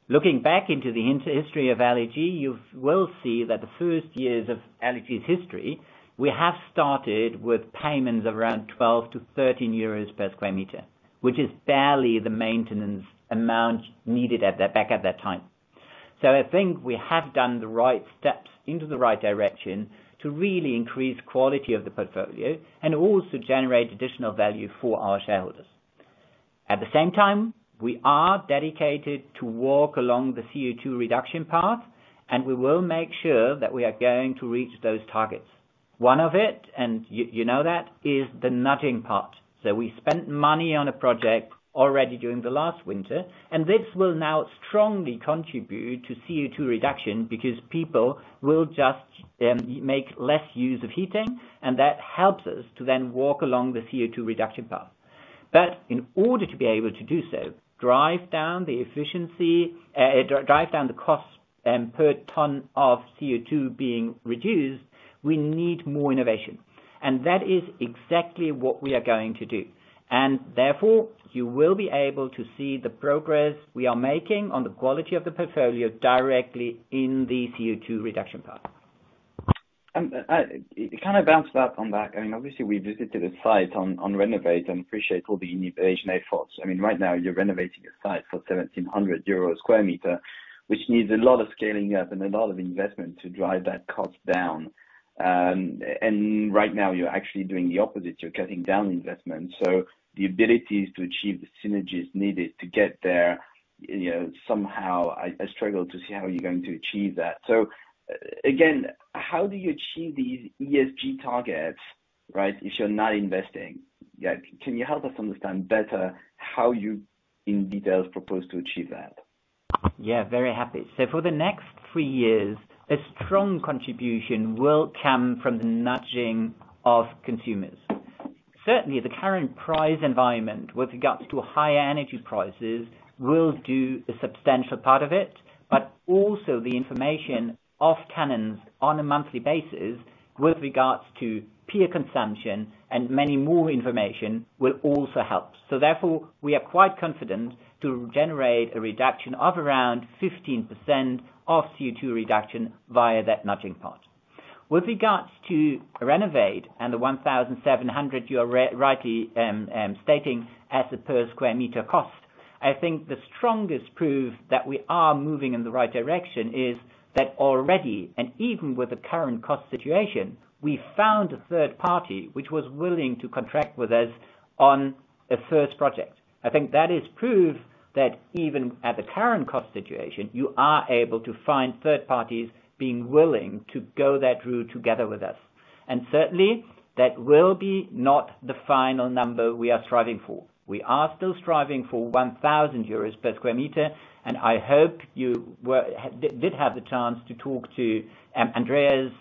Looking back into the history of LEG, you will see that the first years of LEG's history, we have started with payments around 12-13 euros per square meter, which is barely the maintenance amount needed back at that time. I think we have done the right steps into the right direction to really increase quality of the portfolio and also generate additional value for our shareholders. At the same time, we are dedicated to walk along the CO2 reduction path, and we will make sure that we are going to reach those targets. One of it, and you know that, is the nudging part. We spent money on a project already during the last winter, and this will now strongly contribute to CO2 reduction because people will just make less use of heating, and that helps us to then walk along the CO2 reduction path. In order to be able to do so, drive down the cost per ton of CO2 being reduced, we need more innovation. That is exactly what we are going to do. Therefore, you will be able to see the progress we are making on the quality of the portfolio directly in the CO2 reduction path. Can I bounce back on that? I mean, obviously we visited a site on RENOWATE and appreciate all the innovation efforts. I mean, right now you're renovating a site for 1,700 euros a square meter, which needs a lot of scaling up and a lot of investment to drive that cost down. Right now you're actually doing the opposite. You're cutting down investment. The abilities to achieve the synergies needed to get there, you know, somehow I struggle to see how you're going to achieve that. Again, how do you achieve these ESG targets, right, if you're not investing? Yeah, can you help us understand better how you, in details, propose to achieve that? Yeah, very happy. For the next three years, a strong contribution will come from the nudging of consumers. Certainly, the current price environment with regards to high energy prices will do a substantial part of it, but also the information of tenants on a monthly basis with regards to peer consumption and many more information will also help. Therefore, we are quite confident to generate a reduction of around 15% of CO2 reduction via that nudging part. With regards to RENOWATE and the 1,700 you are rightly stating as a per square meter cost, I think the strongest proof that we are moving in the right direction is that already, and even with the current cost situation, we found a third party which was willing to contract with us on a first project. I think that is proof that even at the current cost situation, you are able to find third parties being willing to go that route together with us. Certainly that will be not the final number we are striving for. We are still striving for 1,000 euros per square meter, and I hope you did have the chance to talk to Andreas,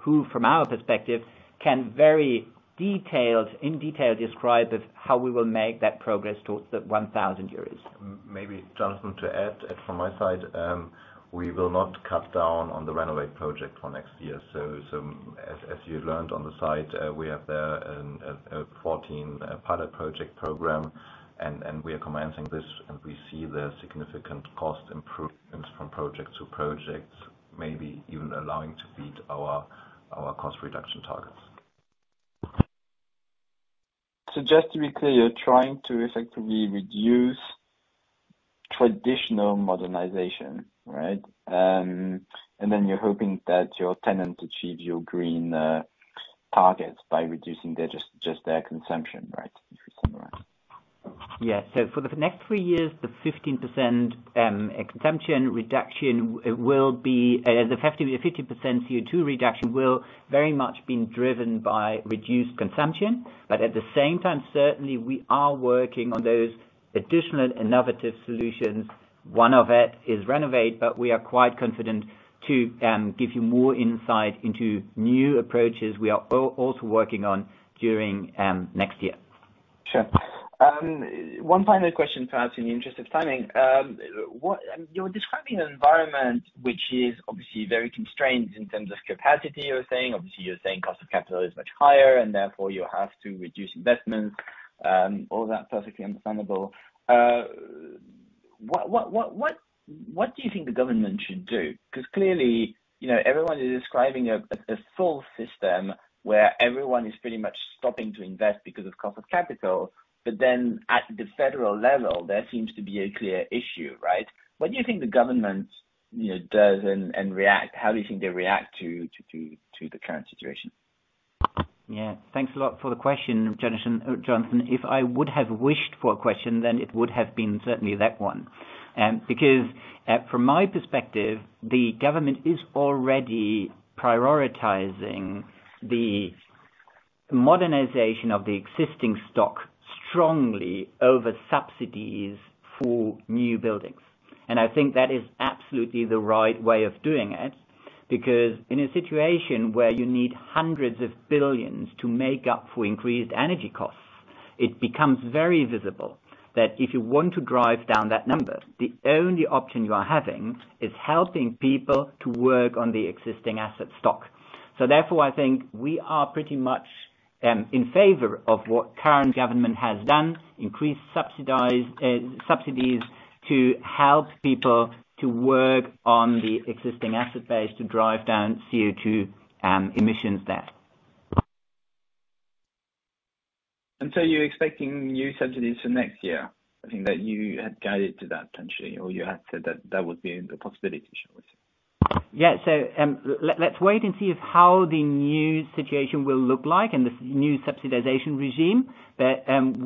who from our perspective, can in detail describe how we will make that progress towards the 1,000 euros. Maybe Jonathan, to add from my side, we will not cut down on the RENOWATE project for next year. As you learned on the site, we have there a 14 pilot project program and we are commencing this and we see the significant cost improvements from project to project, maybe even allowing to beat our cost reduction targets. Just to be clear, you're trying to effectively reduce traditional modernization, right? You're hoping that your tenants achieve your green targets by reducing just their consumption, right? If I summarize. Yeah. For the next three years, the 50% CO2 reduction will very much been driven by reduced consumption. At the same time, certainly we are working on those additional innovative solutions. One of it is RENOWATE, but we are quite confident to give you more insight into new approaches we are also working on during next year. Sure. One final question to ask in the interest of timing. You're describing an environment which is obviously very constrained in terms of capacity, you're saying. Obviously, you're saying cost of capital is much higher, and therefore you have to reduce investments, all that, perfectly understandable. What do you think the government should do? Because clearly, you know, everyone is describing a slow system where everyone is pretty much stopping to invest because of cost of capital. Then at the federal level, there seems to be a clear issue, right? What do you think the government, you know, does and react? How do you think they react to the current situation? Yeah. Thanks a lot for the question, Jonathan. If I would have wished for a question, then it would have been certainly that one. Because from my perspective, the government is already prioritizing the modernization of the existing stock strongly over subsidies for new buildings. I think that is absolutely the right way of doing it, because in a situation where you need hundreds of billions to make up for increased energy costs, it becomes very visible that if you want to drive down that number, the only option you are having is helping people to work on the existing asset stock. Therefore, I think we are pretty much in favor of what current government has done, increase subsidies to help people to work on the existing asset base to drive down CO2 emissions there. You're expecting new subsidies for next year? I think that you had guided to that potentially or you had said that that would be the possibility, shall we say. Yeah. Let's wait and see how the new situation will look like and the new subsidization regime.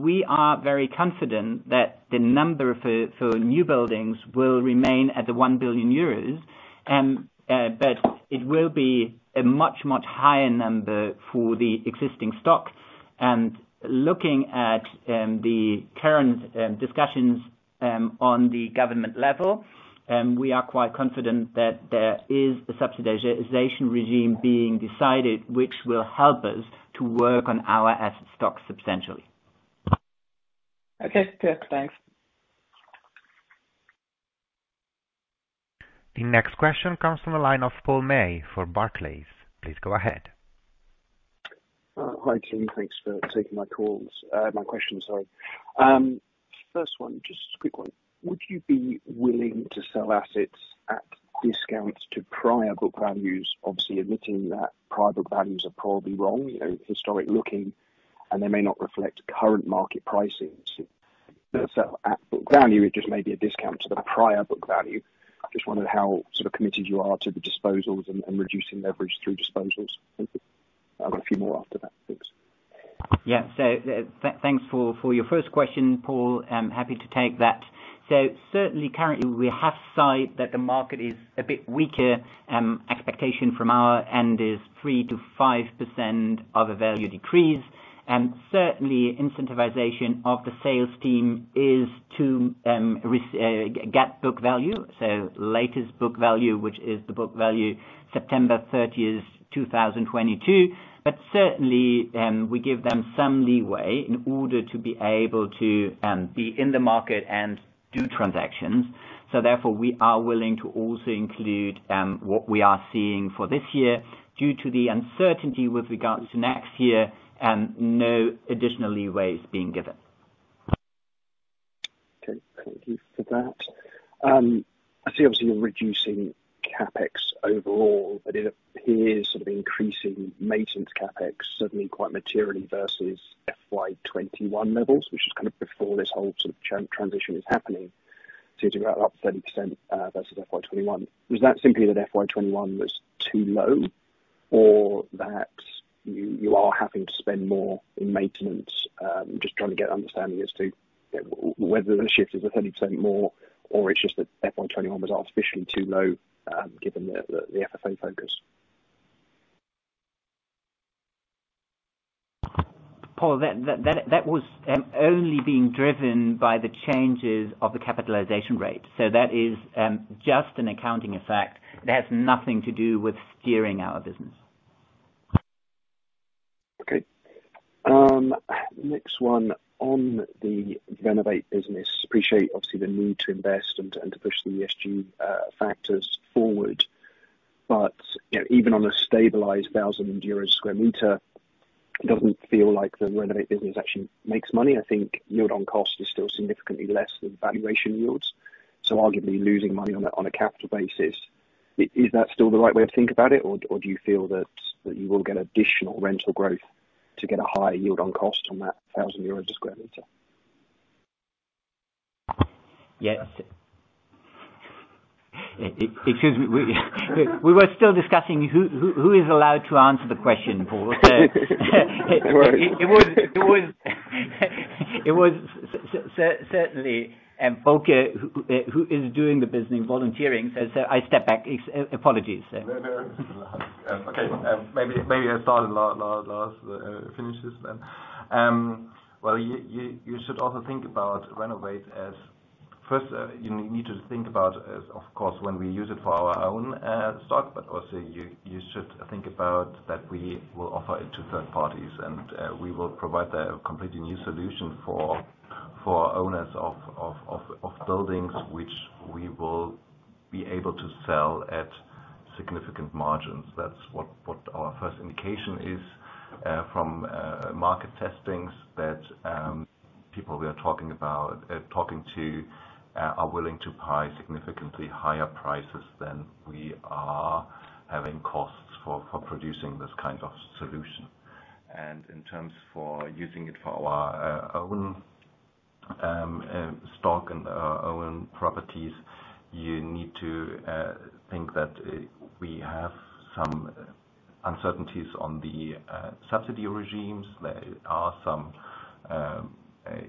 We are very confident that the number for new buildings will remain at 1 billion euros. It will be a much, much higher number for the existing stock. Looking at the current discussions on the government level, we are quite confident that there is a subsidization regime being decided which will help us to work on our asset stock substantially. Okay. Good. Thanks. The next question comes from a line of Paul May for Barclays. Please go ahead. Hi, Keith. Thanks for taking my calls. My question, sorry. First one, just a quick one. Would you be willing to sell assets at discounts to prior book values, obviously admitting that prior book values are probably wrong, you know, historic looking, and they may not reflect current market pricing. At book value, it just may be a discount to the prior book value. I just wondered how sort of committed you are to the disposals and reducing leverage through disposals. Thank you. I have a few more after that. Thanks. Yeah. Thanks for your first question, Paul. I'm happy to take that. Certainly currently, we have sight that the market is a bit weaker, expectation from our end is 3%-5% of a value decrease. Certainly incentivization of the sales team is to get book value, so latest book value, which is the book value September 30, 2022. Certainly, we give them some leeway in order to be able to be in the market and do transactions. Therefore, we are willing to also include what we are seeing for this year. Due to the uncertainty with regards to next year, no additional leeway is being given. Okay. Thank you for that. I see obviously you're reducing CapEx overall, but it appears sort of increasing maintenance CapEx suddenly quite materially versus FY 2021 levels, which is kind of before this whole sort of transition is happening. It's about up 30% versus FY 2021. Was that simply that FY 2021 was too low or that you are having to spend more in maintenance? Just trying to get an understanding as to whether the shift is a 30% more or it's just that FY 2021 was artificially too low, given the FFO focus. Paul, that was only being driven by the changes of the capitalization rate. That is just an accounting effect. That has nothing to do with steering our business. Okay. Next one on the RENOWATE business. Appreciate obviously the need to invest and to push the ESG factors forward. You know, even on a stabilized 1,000 euros square meter, it doesn't feel like the RENOWATE business actually makes money. I think yield on cost is still significantly less than valuation yields. Arguably losing money on a capital basis. Is that still the right way to think about it? Do you feel that you will get additional rental growth to get a higher yield on cost on that 1,000 euros square meter? Yes. Excuse me. We were still discussing who is allowed to answer the question, Paul. It was certainly Volker Wiegel who is doing the business valuation. I step back. Apologies. Okay. Maybe I start and Lars finishes then. Well, you should also think about RENOWATE as first, you need to think about is, of course, when we use it for our own stock, but also you should think about that we will offer it to third parties. We will provide a completely new solution for owners of buildings which we will be able to sell at significant margins. That's what our first indication is, from market testings that people we are talking to are willing to pay significantly higher prices than we are having costs for producing this kind of solution. In terms of using it for our own stock and our own properties, you need to think that we have some uncertainties on the subsidy regimes. There are some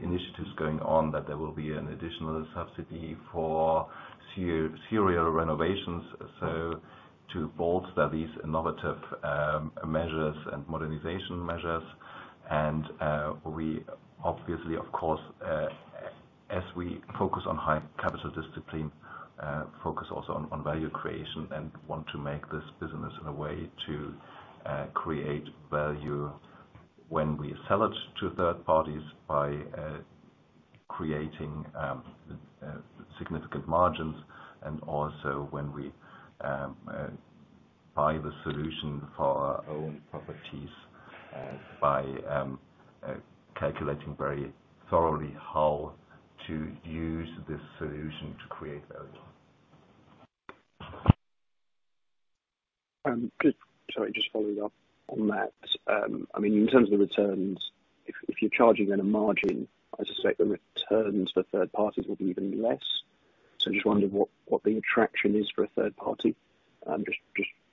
initiatives going on that there will be an additional subsidy for serial renovations, so to bolster these innovative measures and modernization measures. We obviously, of course, as we focus on high capital discipline, focus also on value creation and want to make this business in a way to create value when we sell it to third parties by creating significant margins and also when we buy the solution for our own properties by calculating very thoroughly how to use this solution to create value. Sorry, just following up on that. I mean, in terms of the returns, if you're charging then a margin, I suspect the returns for third parties would be even less. Just wondering what the attraction is for a third party. I'm just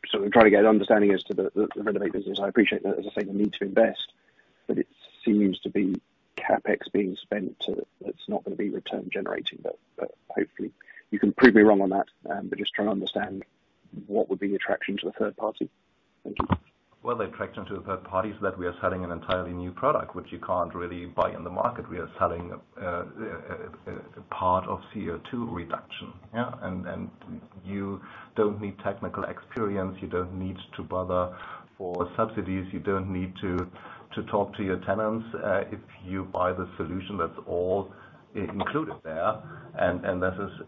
sort of trying to get an understanding as to the RENOWATE business. I appreciate that, as I say, the need to invest, but it seems to be CapEx being spent that's not gonna be return generating. Hopefully you can prove me wrong on that. Just trying to understand what would be the attraction to a third party. Thank you. Well, the attraction to a third party is that we are selling an entirely new product which you can't really buy in the market. We are selling a part of CO2 reduction, yeah? You don't need technical experience, you don't need to bother for subsidies, you don't need to talk to your tenants. If you buy the solution, that's all included there.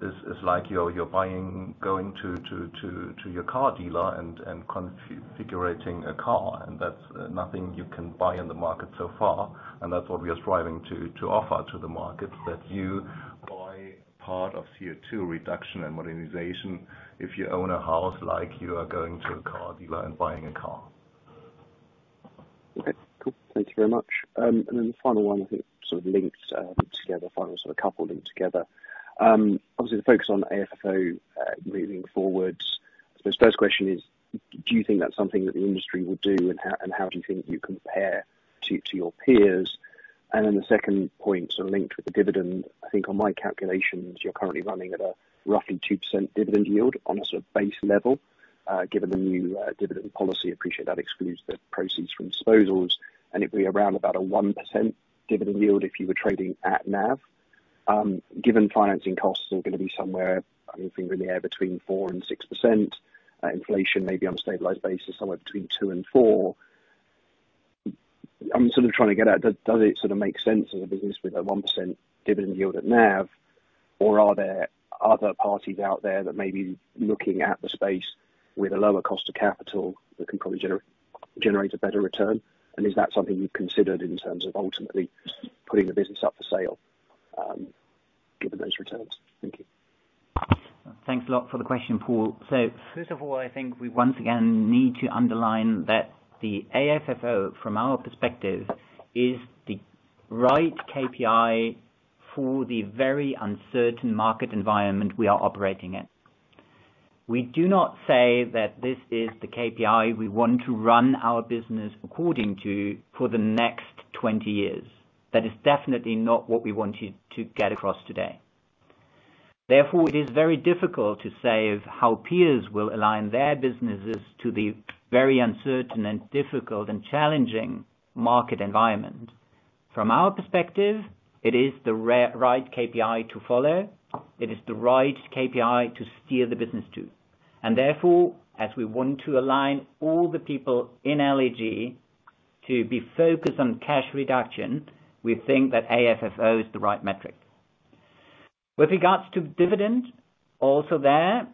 This is like you're buying, going to your car dealer and configuring a car. That's nothing you can buy in the market so far. That's what we are striving to offer to the market, that you buy part of CO2 reduction and modernization if you own a house, like you are going to a car dealer and buying a car. Okay. Cool. Thank you very much. The final couple linked together. Obviously the focus on AFFO moving forward. I suppose the first question is do you think that's something that the industry will do, and how do you think you compare to your peers? Then the second point, sort of linked with the dividend, I think on my calculations, you're currently running at a roughly 2% dividend yield on a sort of base level, given the new dividend policy. I appreciate that it excludes the proceeds from disposals, and it'd be around about a 1% dividend yield if you were trading at NAV. Given financing costs are gonna be somewhere, I mean, finger in the air, between 4% and 6%, inflation maybe on a stabilized basis, somewhere between 2% and 4%, I'm sort of trying to get at does it sort of make sense as a business with a 1% dividend yield at NAV, or are there other parties out there that may be looking at the space with a lower cost of capital that can probably generate a better return? Is that something you've considered in terms of ultimately putting the business up for sale, given those returns? Thank you. Thanks a lot for the question, Paul. First of all, I think we once again need to underline that the AFFO from our perspective is the right KPI for the very uncertain market environment we are operating in. We do not say that this is the KPI we want to run our business according to for the next 20 years. That is definitely not what we wanted to get across today. Therefore, it is very difficult to say how peers will align their businesses to the very uncertain and difficult and challenging market environment. From our perspective, it is the right KPI to follow. It is the right KPI to steer the business to. Therefore, as we want to align all the people in LEG to be focused on cash generation, we think that AFFO is the right metric. With regards to dividend, also there,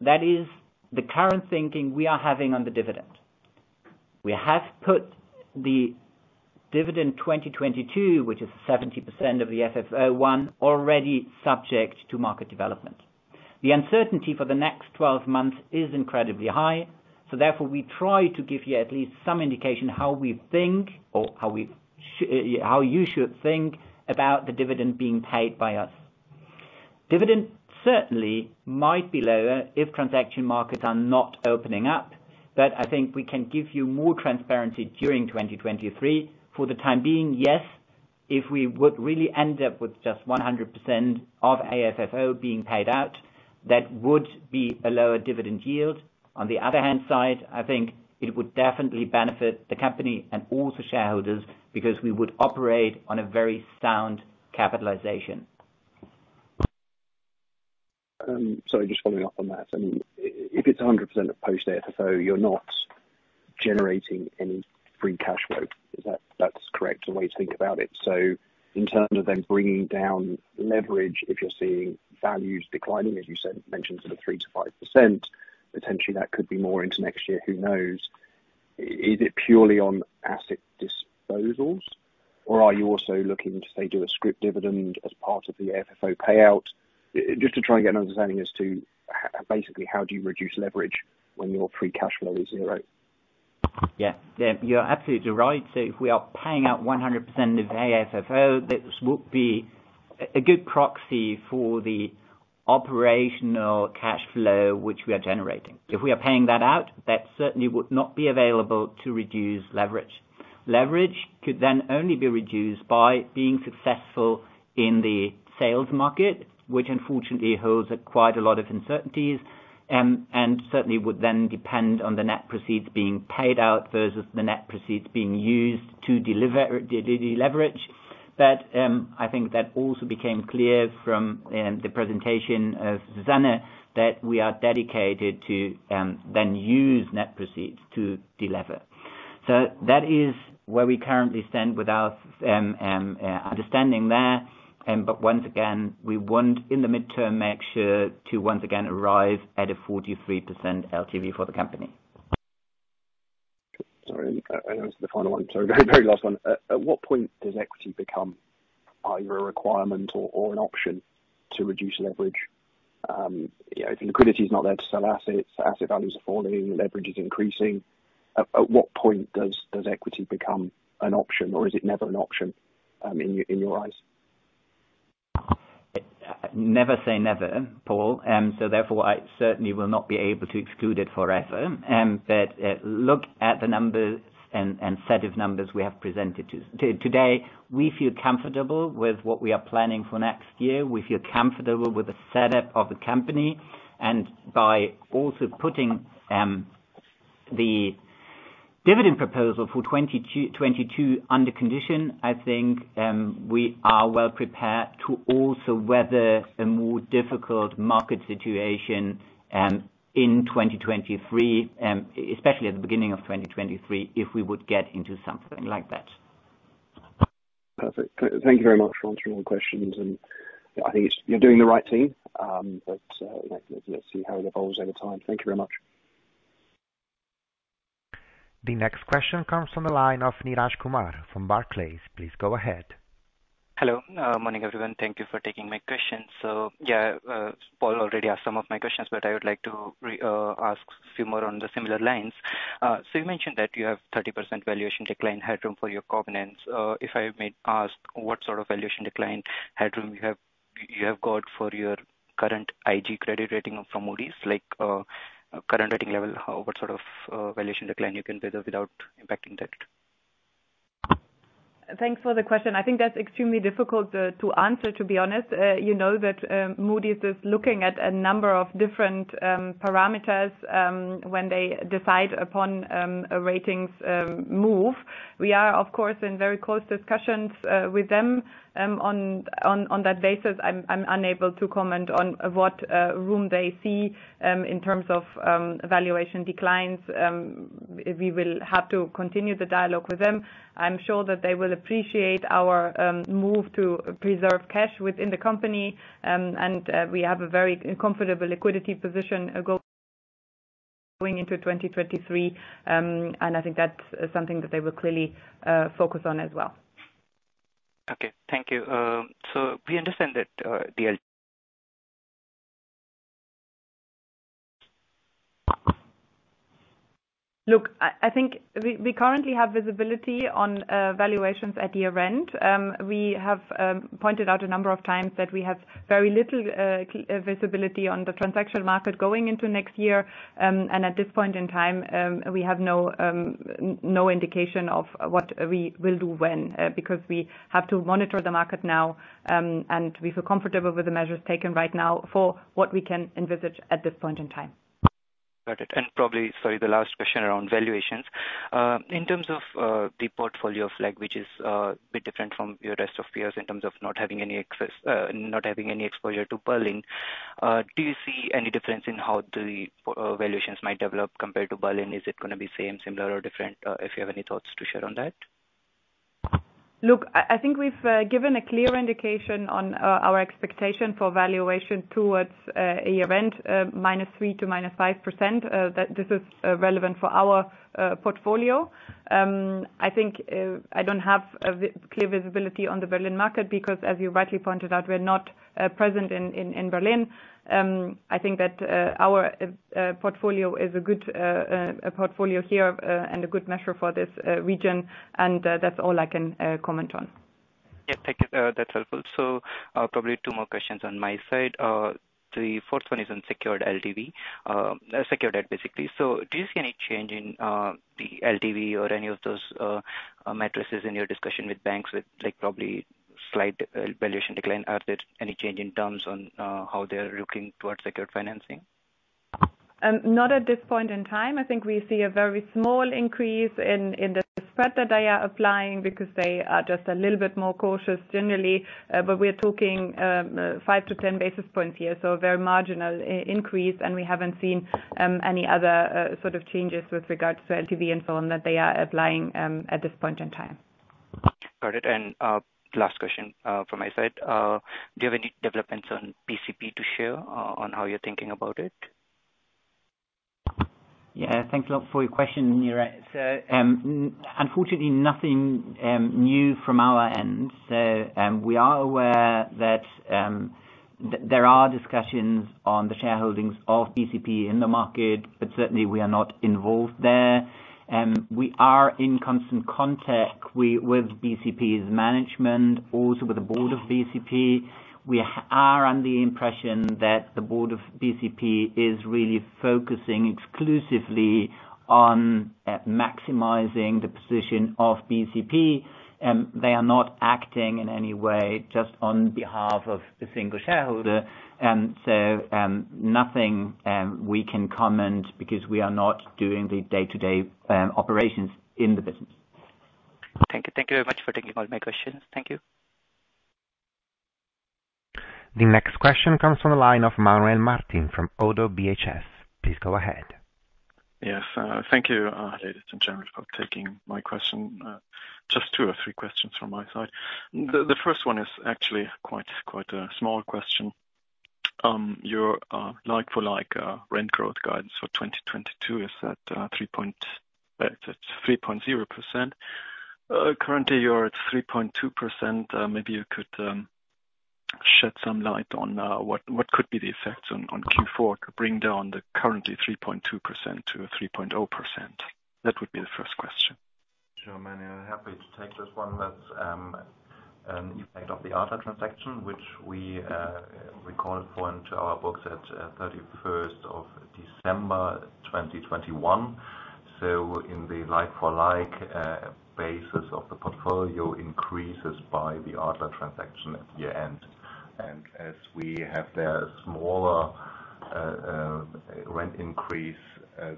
that is the current thinking we are having on the dividend. We have put the dividend 2022, which is 70% of the FFO I, already subject to market development. The uncertainty for the next 12 months is incredibly high, so therefore we try to give you at least some indication how we think or how you should think about the dividend being paid by us. Dividend certainly might be lower if transaction markets are not opening up, but I think we can give you more transparency during 2023. For the time being, yes, if we would really end up with just 100% of AFFO being paid out. That would be a lower dividend yield. On the other hand side, I think it would definitely benefit the company and all the shareholders because we would operate on a very sound capitalization. Sorry, just following up on that. I mean, if it's 100% of post-FFO, you're not generating any free cash flow. Is that the correct way to think about it? In terms of then bringing down leverage, if you're seeing values declining, as you said, mentioned sort of 3%-5%, potentially that could be more into next year, who knows? Is it purely on asset disposals, or are you also looking to, say, do a scrip dividend as part of the FFO payout? Just to try and get an understanding as to how basically do you reduce leverage when your free cash flow is zero? Yeah. Yeah, you're absolutely right. If we are paying out 100% of the AFFO, this would be a good proxy for the operational cash flow, which we are generating. If we are paying that out, that certainly would not be available to reduce leverage. Leverage could then only be reduced by being successful in the sales market, which unfortunately holds quite a lot of uncertainties, and certainly would then depend on the net proceeds being paid out versus the net proceeds being used to deleverage. I think that also became clear from the presentation of Susanne that we are dedicated to then use net proceeds to delever. That is where we currently stand with our understanding there. Once again, we want in the mid-term to make sure to once again arrive at a 43% LTV for the company. Sorry, this is the final one. Sorry, very last one. At what point does equity become either a requirement or an option to reduce leverage? You know, if liquidity is not there to sell assets, asset values are falling, leverage is increasing. At what point does equity become an option, or is it never an option, in your eyes? Never say never, Paul, so therefore, I certainly will not be able to exclude it forever. But look at the numbers and set of numbers we have presented today. We feel comfortable with what we are planning for next year. We feel comfortable with the setup of the company. By also putting the dividend proposal for 2022 under condition, I think we are well prepared to also weather a more difficult market situation in 2023, especially at the beginning of 2023, if we would get into something like that. Perfect. Thank you very much for answering all the questions and I think it's, you're doing the right thing. Let's see how it evolves over time. Thank you very much. The next question comes from the line of Neeraj Kumar from Barclays. Please go ahead. Hello. Morning, everyone. Thank you for taking my question. Yeah, Paul already asked some of my questions, but I would like to ask a few more along similar lines. You mentioned that you have 30% valuation decline headroom for your covenants. If I may ask, what sort of valuation decline headroom you have for your current IG credit rating from Moody's, like current rating level? What sort of valuation decline you can weather without impacting that? Thanks for the question. I think that's extremely difficult to answer, to be honest. You know that Moody's is looking at a number of different parameters when they decide upon a ratings move. We are, of course, in very close discussions with them. On that basis, I'm unable to comment on what room they see in terms of valuation declines. We will have to continue the dialogue with them. I'm sure that they will appreciate our move to preserve cash within the company. We have a very comfortable liquidity position going into 2023. I think that's something that they will clearly focus on as well. Okay. Thank you. We understand that, the- Look, I think we currently have visibility on valuations at year-end. We have pointed out a number of times that we have very little visibility on the transaction market going into next year. At this point in time, we have no indication of what we will do when, because we have to monitor the market now, and we feel comfortable with the measures taken right now for what we can envisage at this point in time. Got it. Probably, sorry, the last question around valuations. In terms of the portfolio of like, which is a bit different from your rest of peers in terms of not having any exposure to Berlin, do you see any difference in how the valuations might develop compared to Berlin? Is it gonna be same, similar or different? If you have any thoughts to share on that. Look, I think we've given a clear indication on our expectation for valuation towards a year-end, -3% to -5%. This is relevant for our portfolio. I think I don't have a clear visibility on the Berlin market because as you rightly pointed out, we're not present in Berlin. I think that our portfolio is a good portfolio here and a good measure for this region, and that's all I can comment on. Yeah, thank you. That's helpful. Probably two more questions on my side. The fourth one is on secured LTV, secured debt, basically. Do you see any change in the LTV or any of those metrics in your discussion with banks with, like, probably slight valuation decline? Are there any change in terms on how they're looking towards secured financing? Not at this point in time. I think we see a very small increase in the spread that they are applying because they are just a little bit more cautious generally. We're talking five to ten basis points here, so a very marginal increase, and we haven't seen any other sort of changes with regards to LTV and so on that they are applying at this point in time. Got it. Last question from my side. Do you have any developments on BCP to share on how you're thinking about it? Yeah. Thank you a lot for your question, Neeraj. Unfortunately nothing new from our end. We are aware that there are discussions on the shareholdings of BCP in the market, but certainly we are not involved there. We are in constant contact with BCP's management, also with the board of BCP. We are under the impression that the board of BCP is really focusing exclusively on maximizing the position of BCP. They are not acting in any way just on behalf of a single shareholder. Nothing we can comment because we are not doing the day-to-day operations in the business. Thank you. Thank you very much for taking all my questions. Thank you. The next question comes from the line of Manuel Martin from Oddo BHF. Please go ahead. Yes. Thank you, ladies and gentlemen for taking my question. Just two or three questions from my side. The first one is actually quite a small question. Your like for like rent growth guidance for 2022 is at 3.0%. Currently you're at 3.2%. Maybe you could shed some light on what could be the effects on Q4 to bring down the currently 3.2% to a 3.0%. That would be the first question. Sure, Manuel. Happy to take this one. That's an effect of the Adler transaction, which we carried forward into our books at thirty-first of December 2021. On a like-for-like basis, the portfolio increases by the Adler transaction at year-end. As we have the smaller rent increase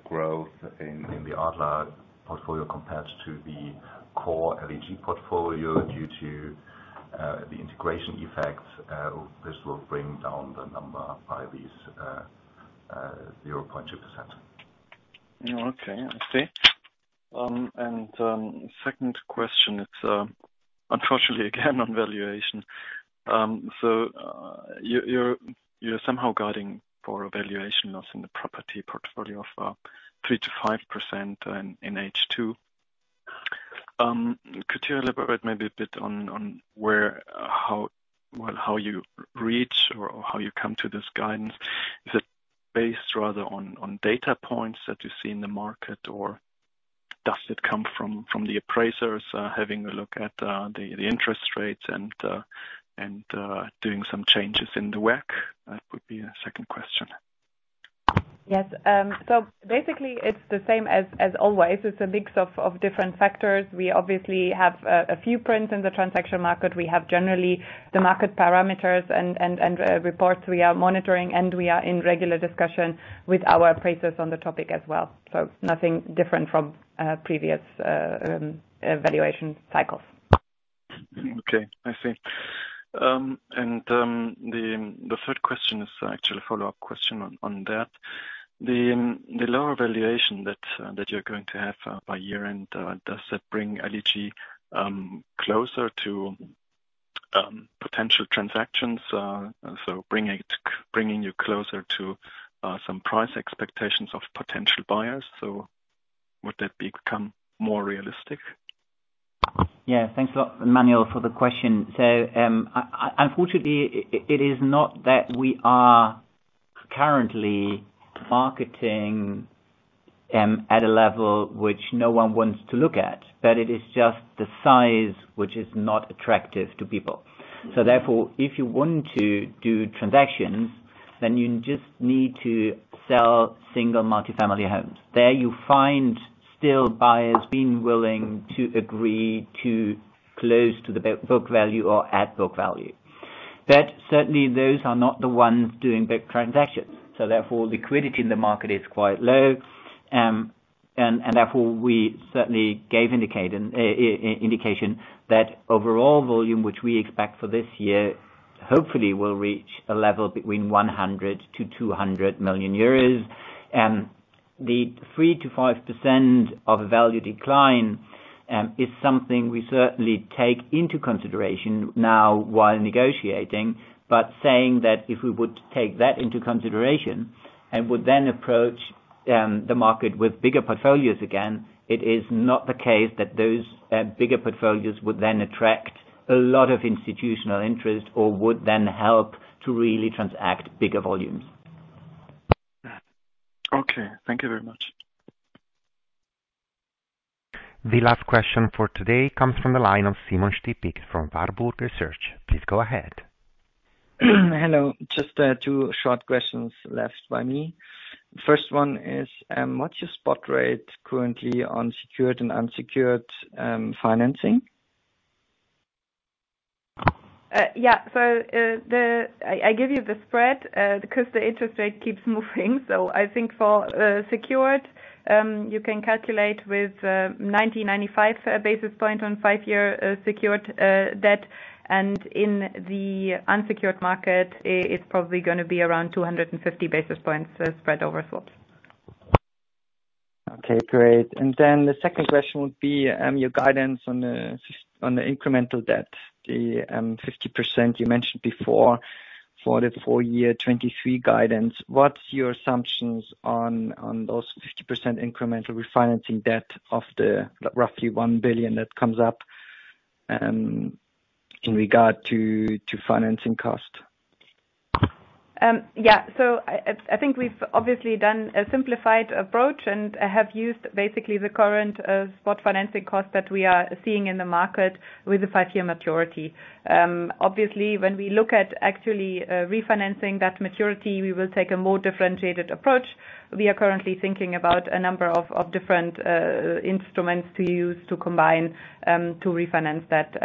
growth in the Adler portfolio compared to the core LEG portfolio due to the integration effects, this will bring down the number by this 0.2%. Okay. I see. Second question is, unfortunately again on valuation. You're somehow guiding for a valuation loss in the property portfolio of 3%-5% in H2. Could you elaborate maybe a bit. Well, how you reach or how you come to this guidance? Is it based rather on data points that you see in the market, or does it come from the appraisers having a look at the interest rates and doing some changes in the WACC? That would be a second question. Yes. Basically, it's the same as always. It's a mix of different factors. We obviously have a few prints in the transaction market. We have generally the market parameters and reports we are monitoring, and we are in regular discussion with our appraisers on the topic as well. Nothing different from previous evaluation cycles. Okay. I see. The third question is actually a follow-up question on that. The lower valuation that you're going to have by year-end, does that bring LEG closer to potential transactions? Bringing you closer to some price expectations of potential buyers. Would that become more realistic? Yeah. Thanks a lot, Manuel, for the question. Unfortunately, it is not that we are currently marketing at a level which no one wants to look at, but it is just the size which is not attractive to people. Therefore, if you want to do transactions, then you just need to sell single multi-family homes. There you find still buyers being willing to agree to close to the book value or at book value. Certainly those are not the ones doing big transactions. Therefore, liquidity in the market is quite low. Therefore, we certainly have indicated that overall volume, which we expect for this year, hopefully will reach a level between 100 million to 200 million euros. The 3%-5% value decline is something we certainly take into consideration now while negotiating. Saying that if we would take that into consideration and would then approach the market with bigger portfolios, again, it is not the case that those bigger portfolios would then attract a lot of institutional interest or would then help to really transact bigger volumes. Okay. Thank you very much. The last question for today comes from the line of Simon Stippig from Warburg Research. Please go ahead. Hello. Just, two short questions left by me. First one is, what's your spot rate currently on secured and unsecured financing? Yeah. I give you the spread because the interest rate keeps moving. I think for secured you can calculate with 90-95 basis points on 5-year secured debt. In the unsecured market it's probably gonna be around 250 basis points spread over swaps. Okay, great. Then the second question would be your guidance on the incremental debt, the 50% you mentioned before for the full year 2023 guidance. What's your assumptions on those 50% incremental refinancing debt of the roughly 1 billion that comes up in regard to financing cost? I think we've obviously done a simplified approach and have used basically the current spot financing cost that we are seeing in the market with the five-year maturity. Obviously, when we look at actually refinancing that maturity, we will take a more differentiated approach. We are currently thinking about a number of different instruments to use to combine to refinance that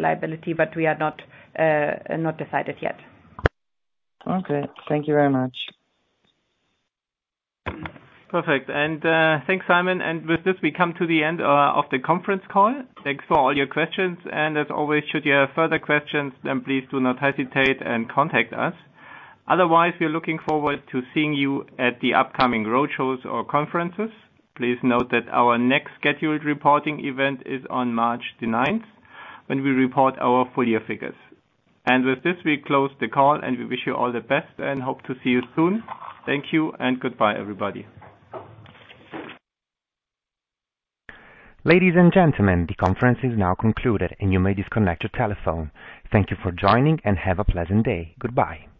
liability. We are not decided yet. Okay. Thank you very much. Perfect. Thanks, Simon. With this, we come to the end of the conference call. Thanks for all your questions. As always, should you have further questions, then please do not hesitate and contact us. Otherwise, we are looking forward to seeing you at the upcoming roadshows or conferences. Please note that our next scheduled reporting event is on March the 9th, when we report our full year figures. With this, we close the call, and we wish you all the best and hope to see you soon. Thank you and goodbye, everybody. Ladies and gentlemen, the conference is now concluded, and you may disconnect your telephone. Thank you for joining, and have a pleasant day. Goodbye.